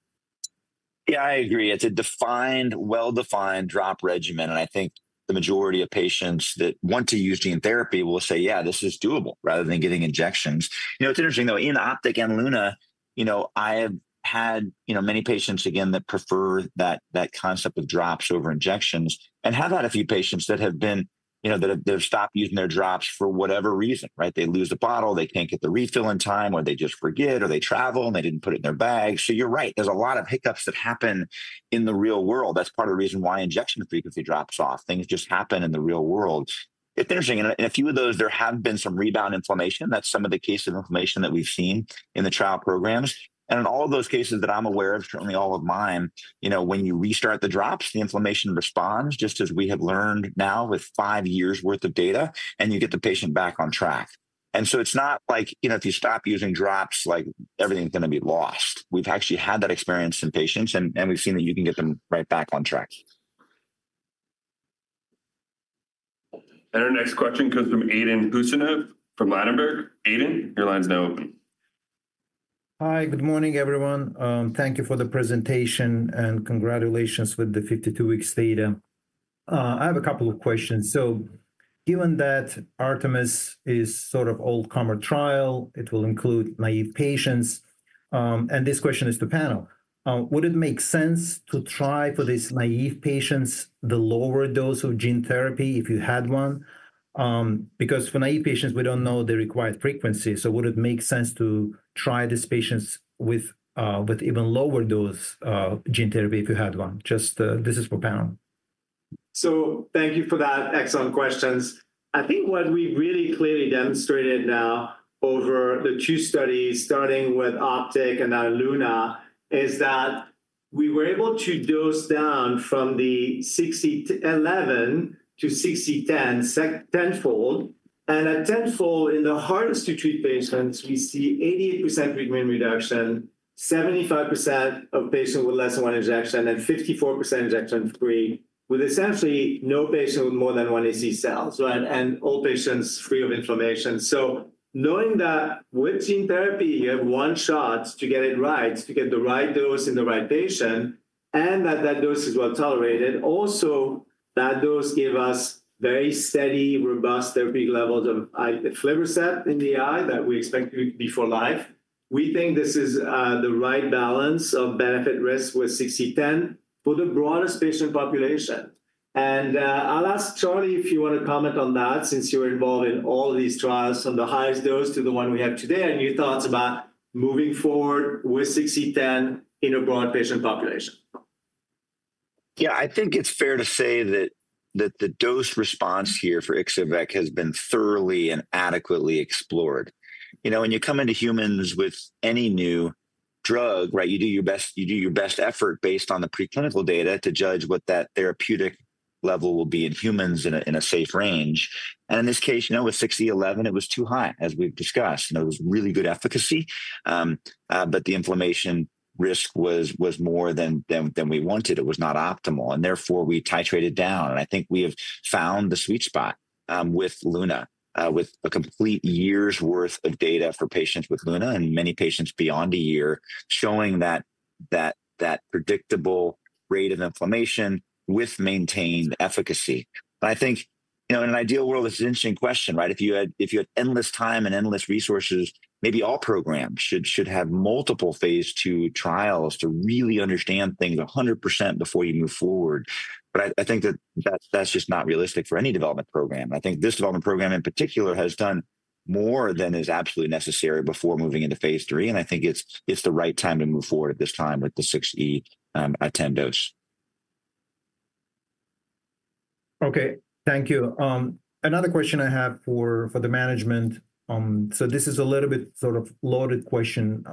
Yeah, I agree. It's a defined, well-defined drop regimen. And I think the majority of patients that want to use gene therapy will say, yeah, this is doable rather than getting injections. You know, it's interesting, though, in Optic and Luna, you know, I have had, you know, many patients, again, that prefer that that concept of drops over injections and have had a few patients that have been, you know, that have stopped using their drops for whatever reason, right? They lose a bottle, they can't get the refill in time, or they just forget, or they travel and they didn't put it in their bag. So you're right. There's a lot of hiccups that happen in the real world. That's part of the reason why injection frequency drops off. Things just happen in the real world. It's interesting. In a few of those, there have been some rebound inflammation. That's some of the cases of inflammation that we've seen in the trial programs. And in all of those cases that I'm aware of, certainly all of mine, you know, when you restart the drops, the inflammation responds just as we have learned now with five years' worth of data, and you get the patient back on track. And so it's not like, you know, if you stop using drops, like everything's going to be lost. We've actually had that experience in patients, and we've seen that you can get them right back on track. And our next question comes from Aydin Huseynov from Ladenburg. Aydin, your line's now open. Hi, good morning, everyone. Thank you for the presentation and congratulations with the 52-week data. I have a couple of questions. So given that Artemis is sort of all-comer trial, it will include naive patients. And this question is to the panel. Would it make sense to try for these naive patients the lower dose of gene therapy if you had one? Because for naive patients, we don't know the required frequency. So would it make sense to try these patients with even lower dose gene therapy if you had one? Just this is for panel. So thank you for that. Excellent questions. I think what we've really clearly demonstrated now over the two studies, starting with Optic and now Luna, is that we were able to dose down from the 60E11 to 60/10 tenfold. And at tenfold, in the hardest-to-treat patients, we see 88% treatment reduction, 75% of patients with less than one injection, and 54% injection-free with essentially no patient with more than one AC cell, right? And all patients free of inflammation. Knowing that with gene therapy, you have one shot to get it right, to get the right dose in the right patient, and that dose is well tolerated. Also, that dose gave us very steady, robust therapeutic levels of aflibercept in the eye that we expect to be for life. We think this is the right balance of benefit-risk with 6E10 for the broadest patient population. I'll ask Charlie if you want to comment on that since you were involved in all of these trials from the highest dose to the one we have today and your thoughts about moving forward with 6E10 in a broad patient population. Yeah, I think it's fair to say that the dose response here for Ixo-vec has been thoroughly and adequately explored. You know, when you come into humans with any new drug, right, you do your best, you do your best effort based on the preclinical data to judge what that therapeutic level will be in humans in a safe range. And in this case, you know, with 6E11, it was too high, as we've discussed. You know, it was really good efficacy, but the inflammation risk was more than we wanted. It was not optimal. And therefore, we titrated down. And I think we have found the sweet spot with Luna, with a complete year's worth of data for patients with Luna and many patients beyond a year, showing that predictable rate of inflammation with maintained efficacy. But I think, you know, in an ideal world, it's an interesting question, right? If you had endless time and endless resources, maybe all programs should have multiple phase two trials to really understand things 100% before you move forward. But I think that that's just not realistic for any development program. I think this development program in particular has done more than is absolutely necessary before moving into phase III. And I think it's the right time to move forward at this time with the 6E10 dose. Okay. Thank you. Another question I have for the management. So this is a little bit sort of loaded question.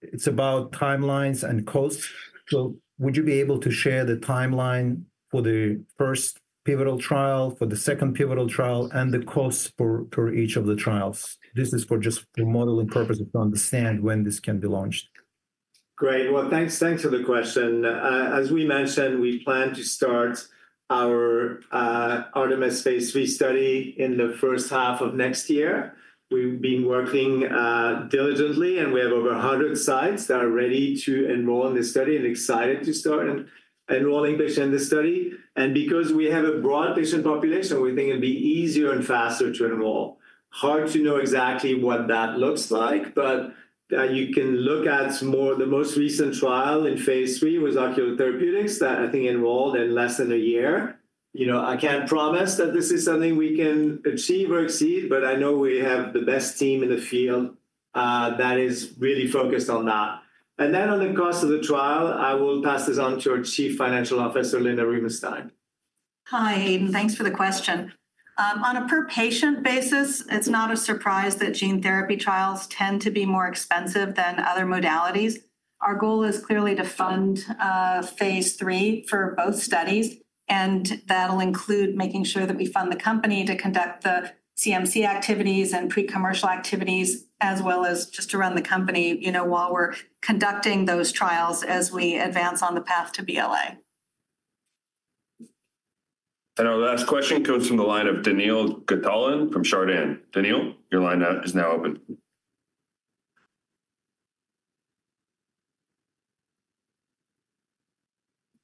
It's about timelines and costs. So would you be able to share the timeline for the first pivotal trial, for the second pivotal trial, and the costs for each of the trials? This is for just the modeling purpose of to understand when this can be launched. Great. Well, thanks for the question. As we mentioned, we plan to start our Artemis phase III study in the first half of next year. We've been working diligently, and we have over 100 sites that are ready to enroll in this study and excited to start and enroll in patients in this study. And because we have a broad patient population, we think it'd be easier and faster to enroll. Hard to know exactly what that looks like, but you can look at more of the most recent trial in phase III with Ocular Therapeutix that I think enrolled in less than a year. You know, I can't promise that this is something we can achieve or exceed, but I know we have the best team in the field that is really focused on that. And then on the cost of the trial, I will pass this on to our Chief Financial Officer, Linda Rubinstein. Hi, Aydin. Thanks for the question. On a per-patient basis, it's not a surprise that gene therapy trials tend to be more expensive than other modalities. Our goal is clearly to fund phase III for both studies, and that'll include making sure that we fund the company to conduct the CMC activities and pre-commercial activities, as well as just to run the company, you know, while we're conducting those trials as we advance on the path to BLA. And our last question comes from the line of Daniil Gataulin from Chardan. Daniil, your line is now open.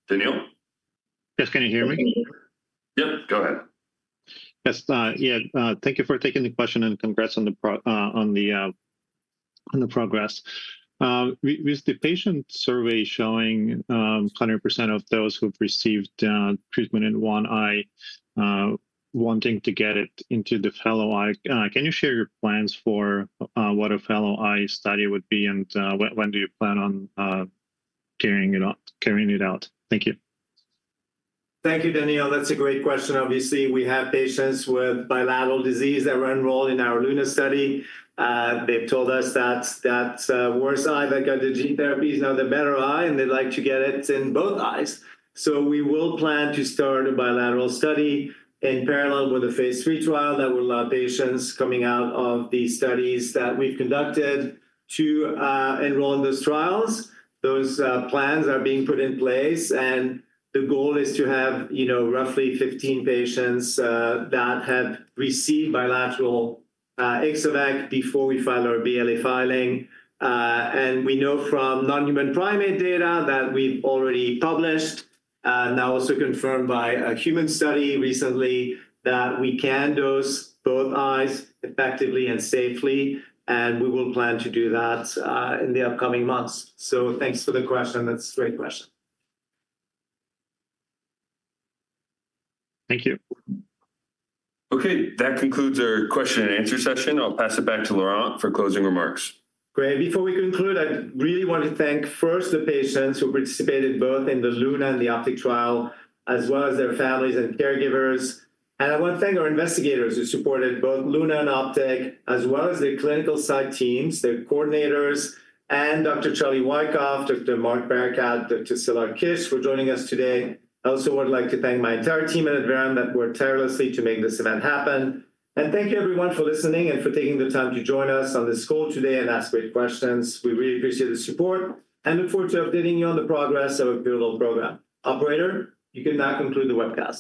Daniil? Yes. Can you hear me? Yep. Go ahead. Yes. Yeah. Thank you for taking the question and congrats on the progress. Is the patient survey showing 100% of those who've received treatment in one eye wanting to get it into the fellow eye? Can you share your plans for what a fellow eye study would be and when do you plan on carrying it out? Thank you. Thank you, Daniil. That's a great question. Obviously, we have patients with bilateral disease that were enrolled in our Luna study. They've told us that that worse eye that got the gene therapy is now the better eye, and they'd like to get it in both eyes.P So we will plan to start a bilateral study in parallel with a phase III trial that will allow patients coming out of the studies that we've conducted to enroll in those trials. Those plans are being put in place, and the goal is to have, you know, roughly 15 patients that have received bilateral Ixo-vec before we file our BLA filing. And we know from non-human primate data that we've already published, now also confirmed by a human study recently, that we can dose both eyes effectively and safely, and we will plan to do that in the upcoming months. So thanks for the question. That's a great question. Thank you. Okay. That concludes our question and answer session. I'll pass it back to Laurent for closing remarks. Great. Before we conclude, I really want to thank first the patients who participated both in the Luna and the Optic trial, as well as their families and caregivers. And I want to thank our investigators who supported both Luna and Optic, as well as the clinical site teams, their coordinators, and Dr. Charles Wykoff, Dr. Mark Barakat, Dr. Szilard Kiss for joining us today. I also would like to thank my entire team at Adverum that worked tirelessly to make this event happen, and thank you, everyone, for listening and for taking the time to join us on this call today and ask great questions. We really appreciate the support and look forward to updating you on the progress of our pivotal program. Operator, you can now conclude the webcast.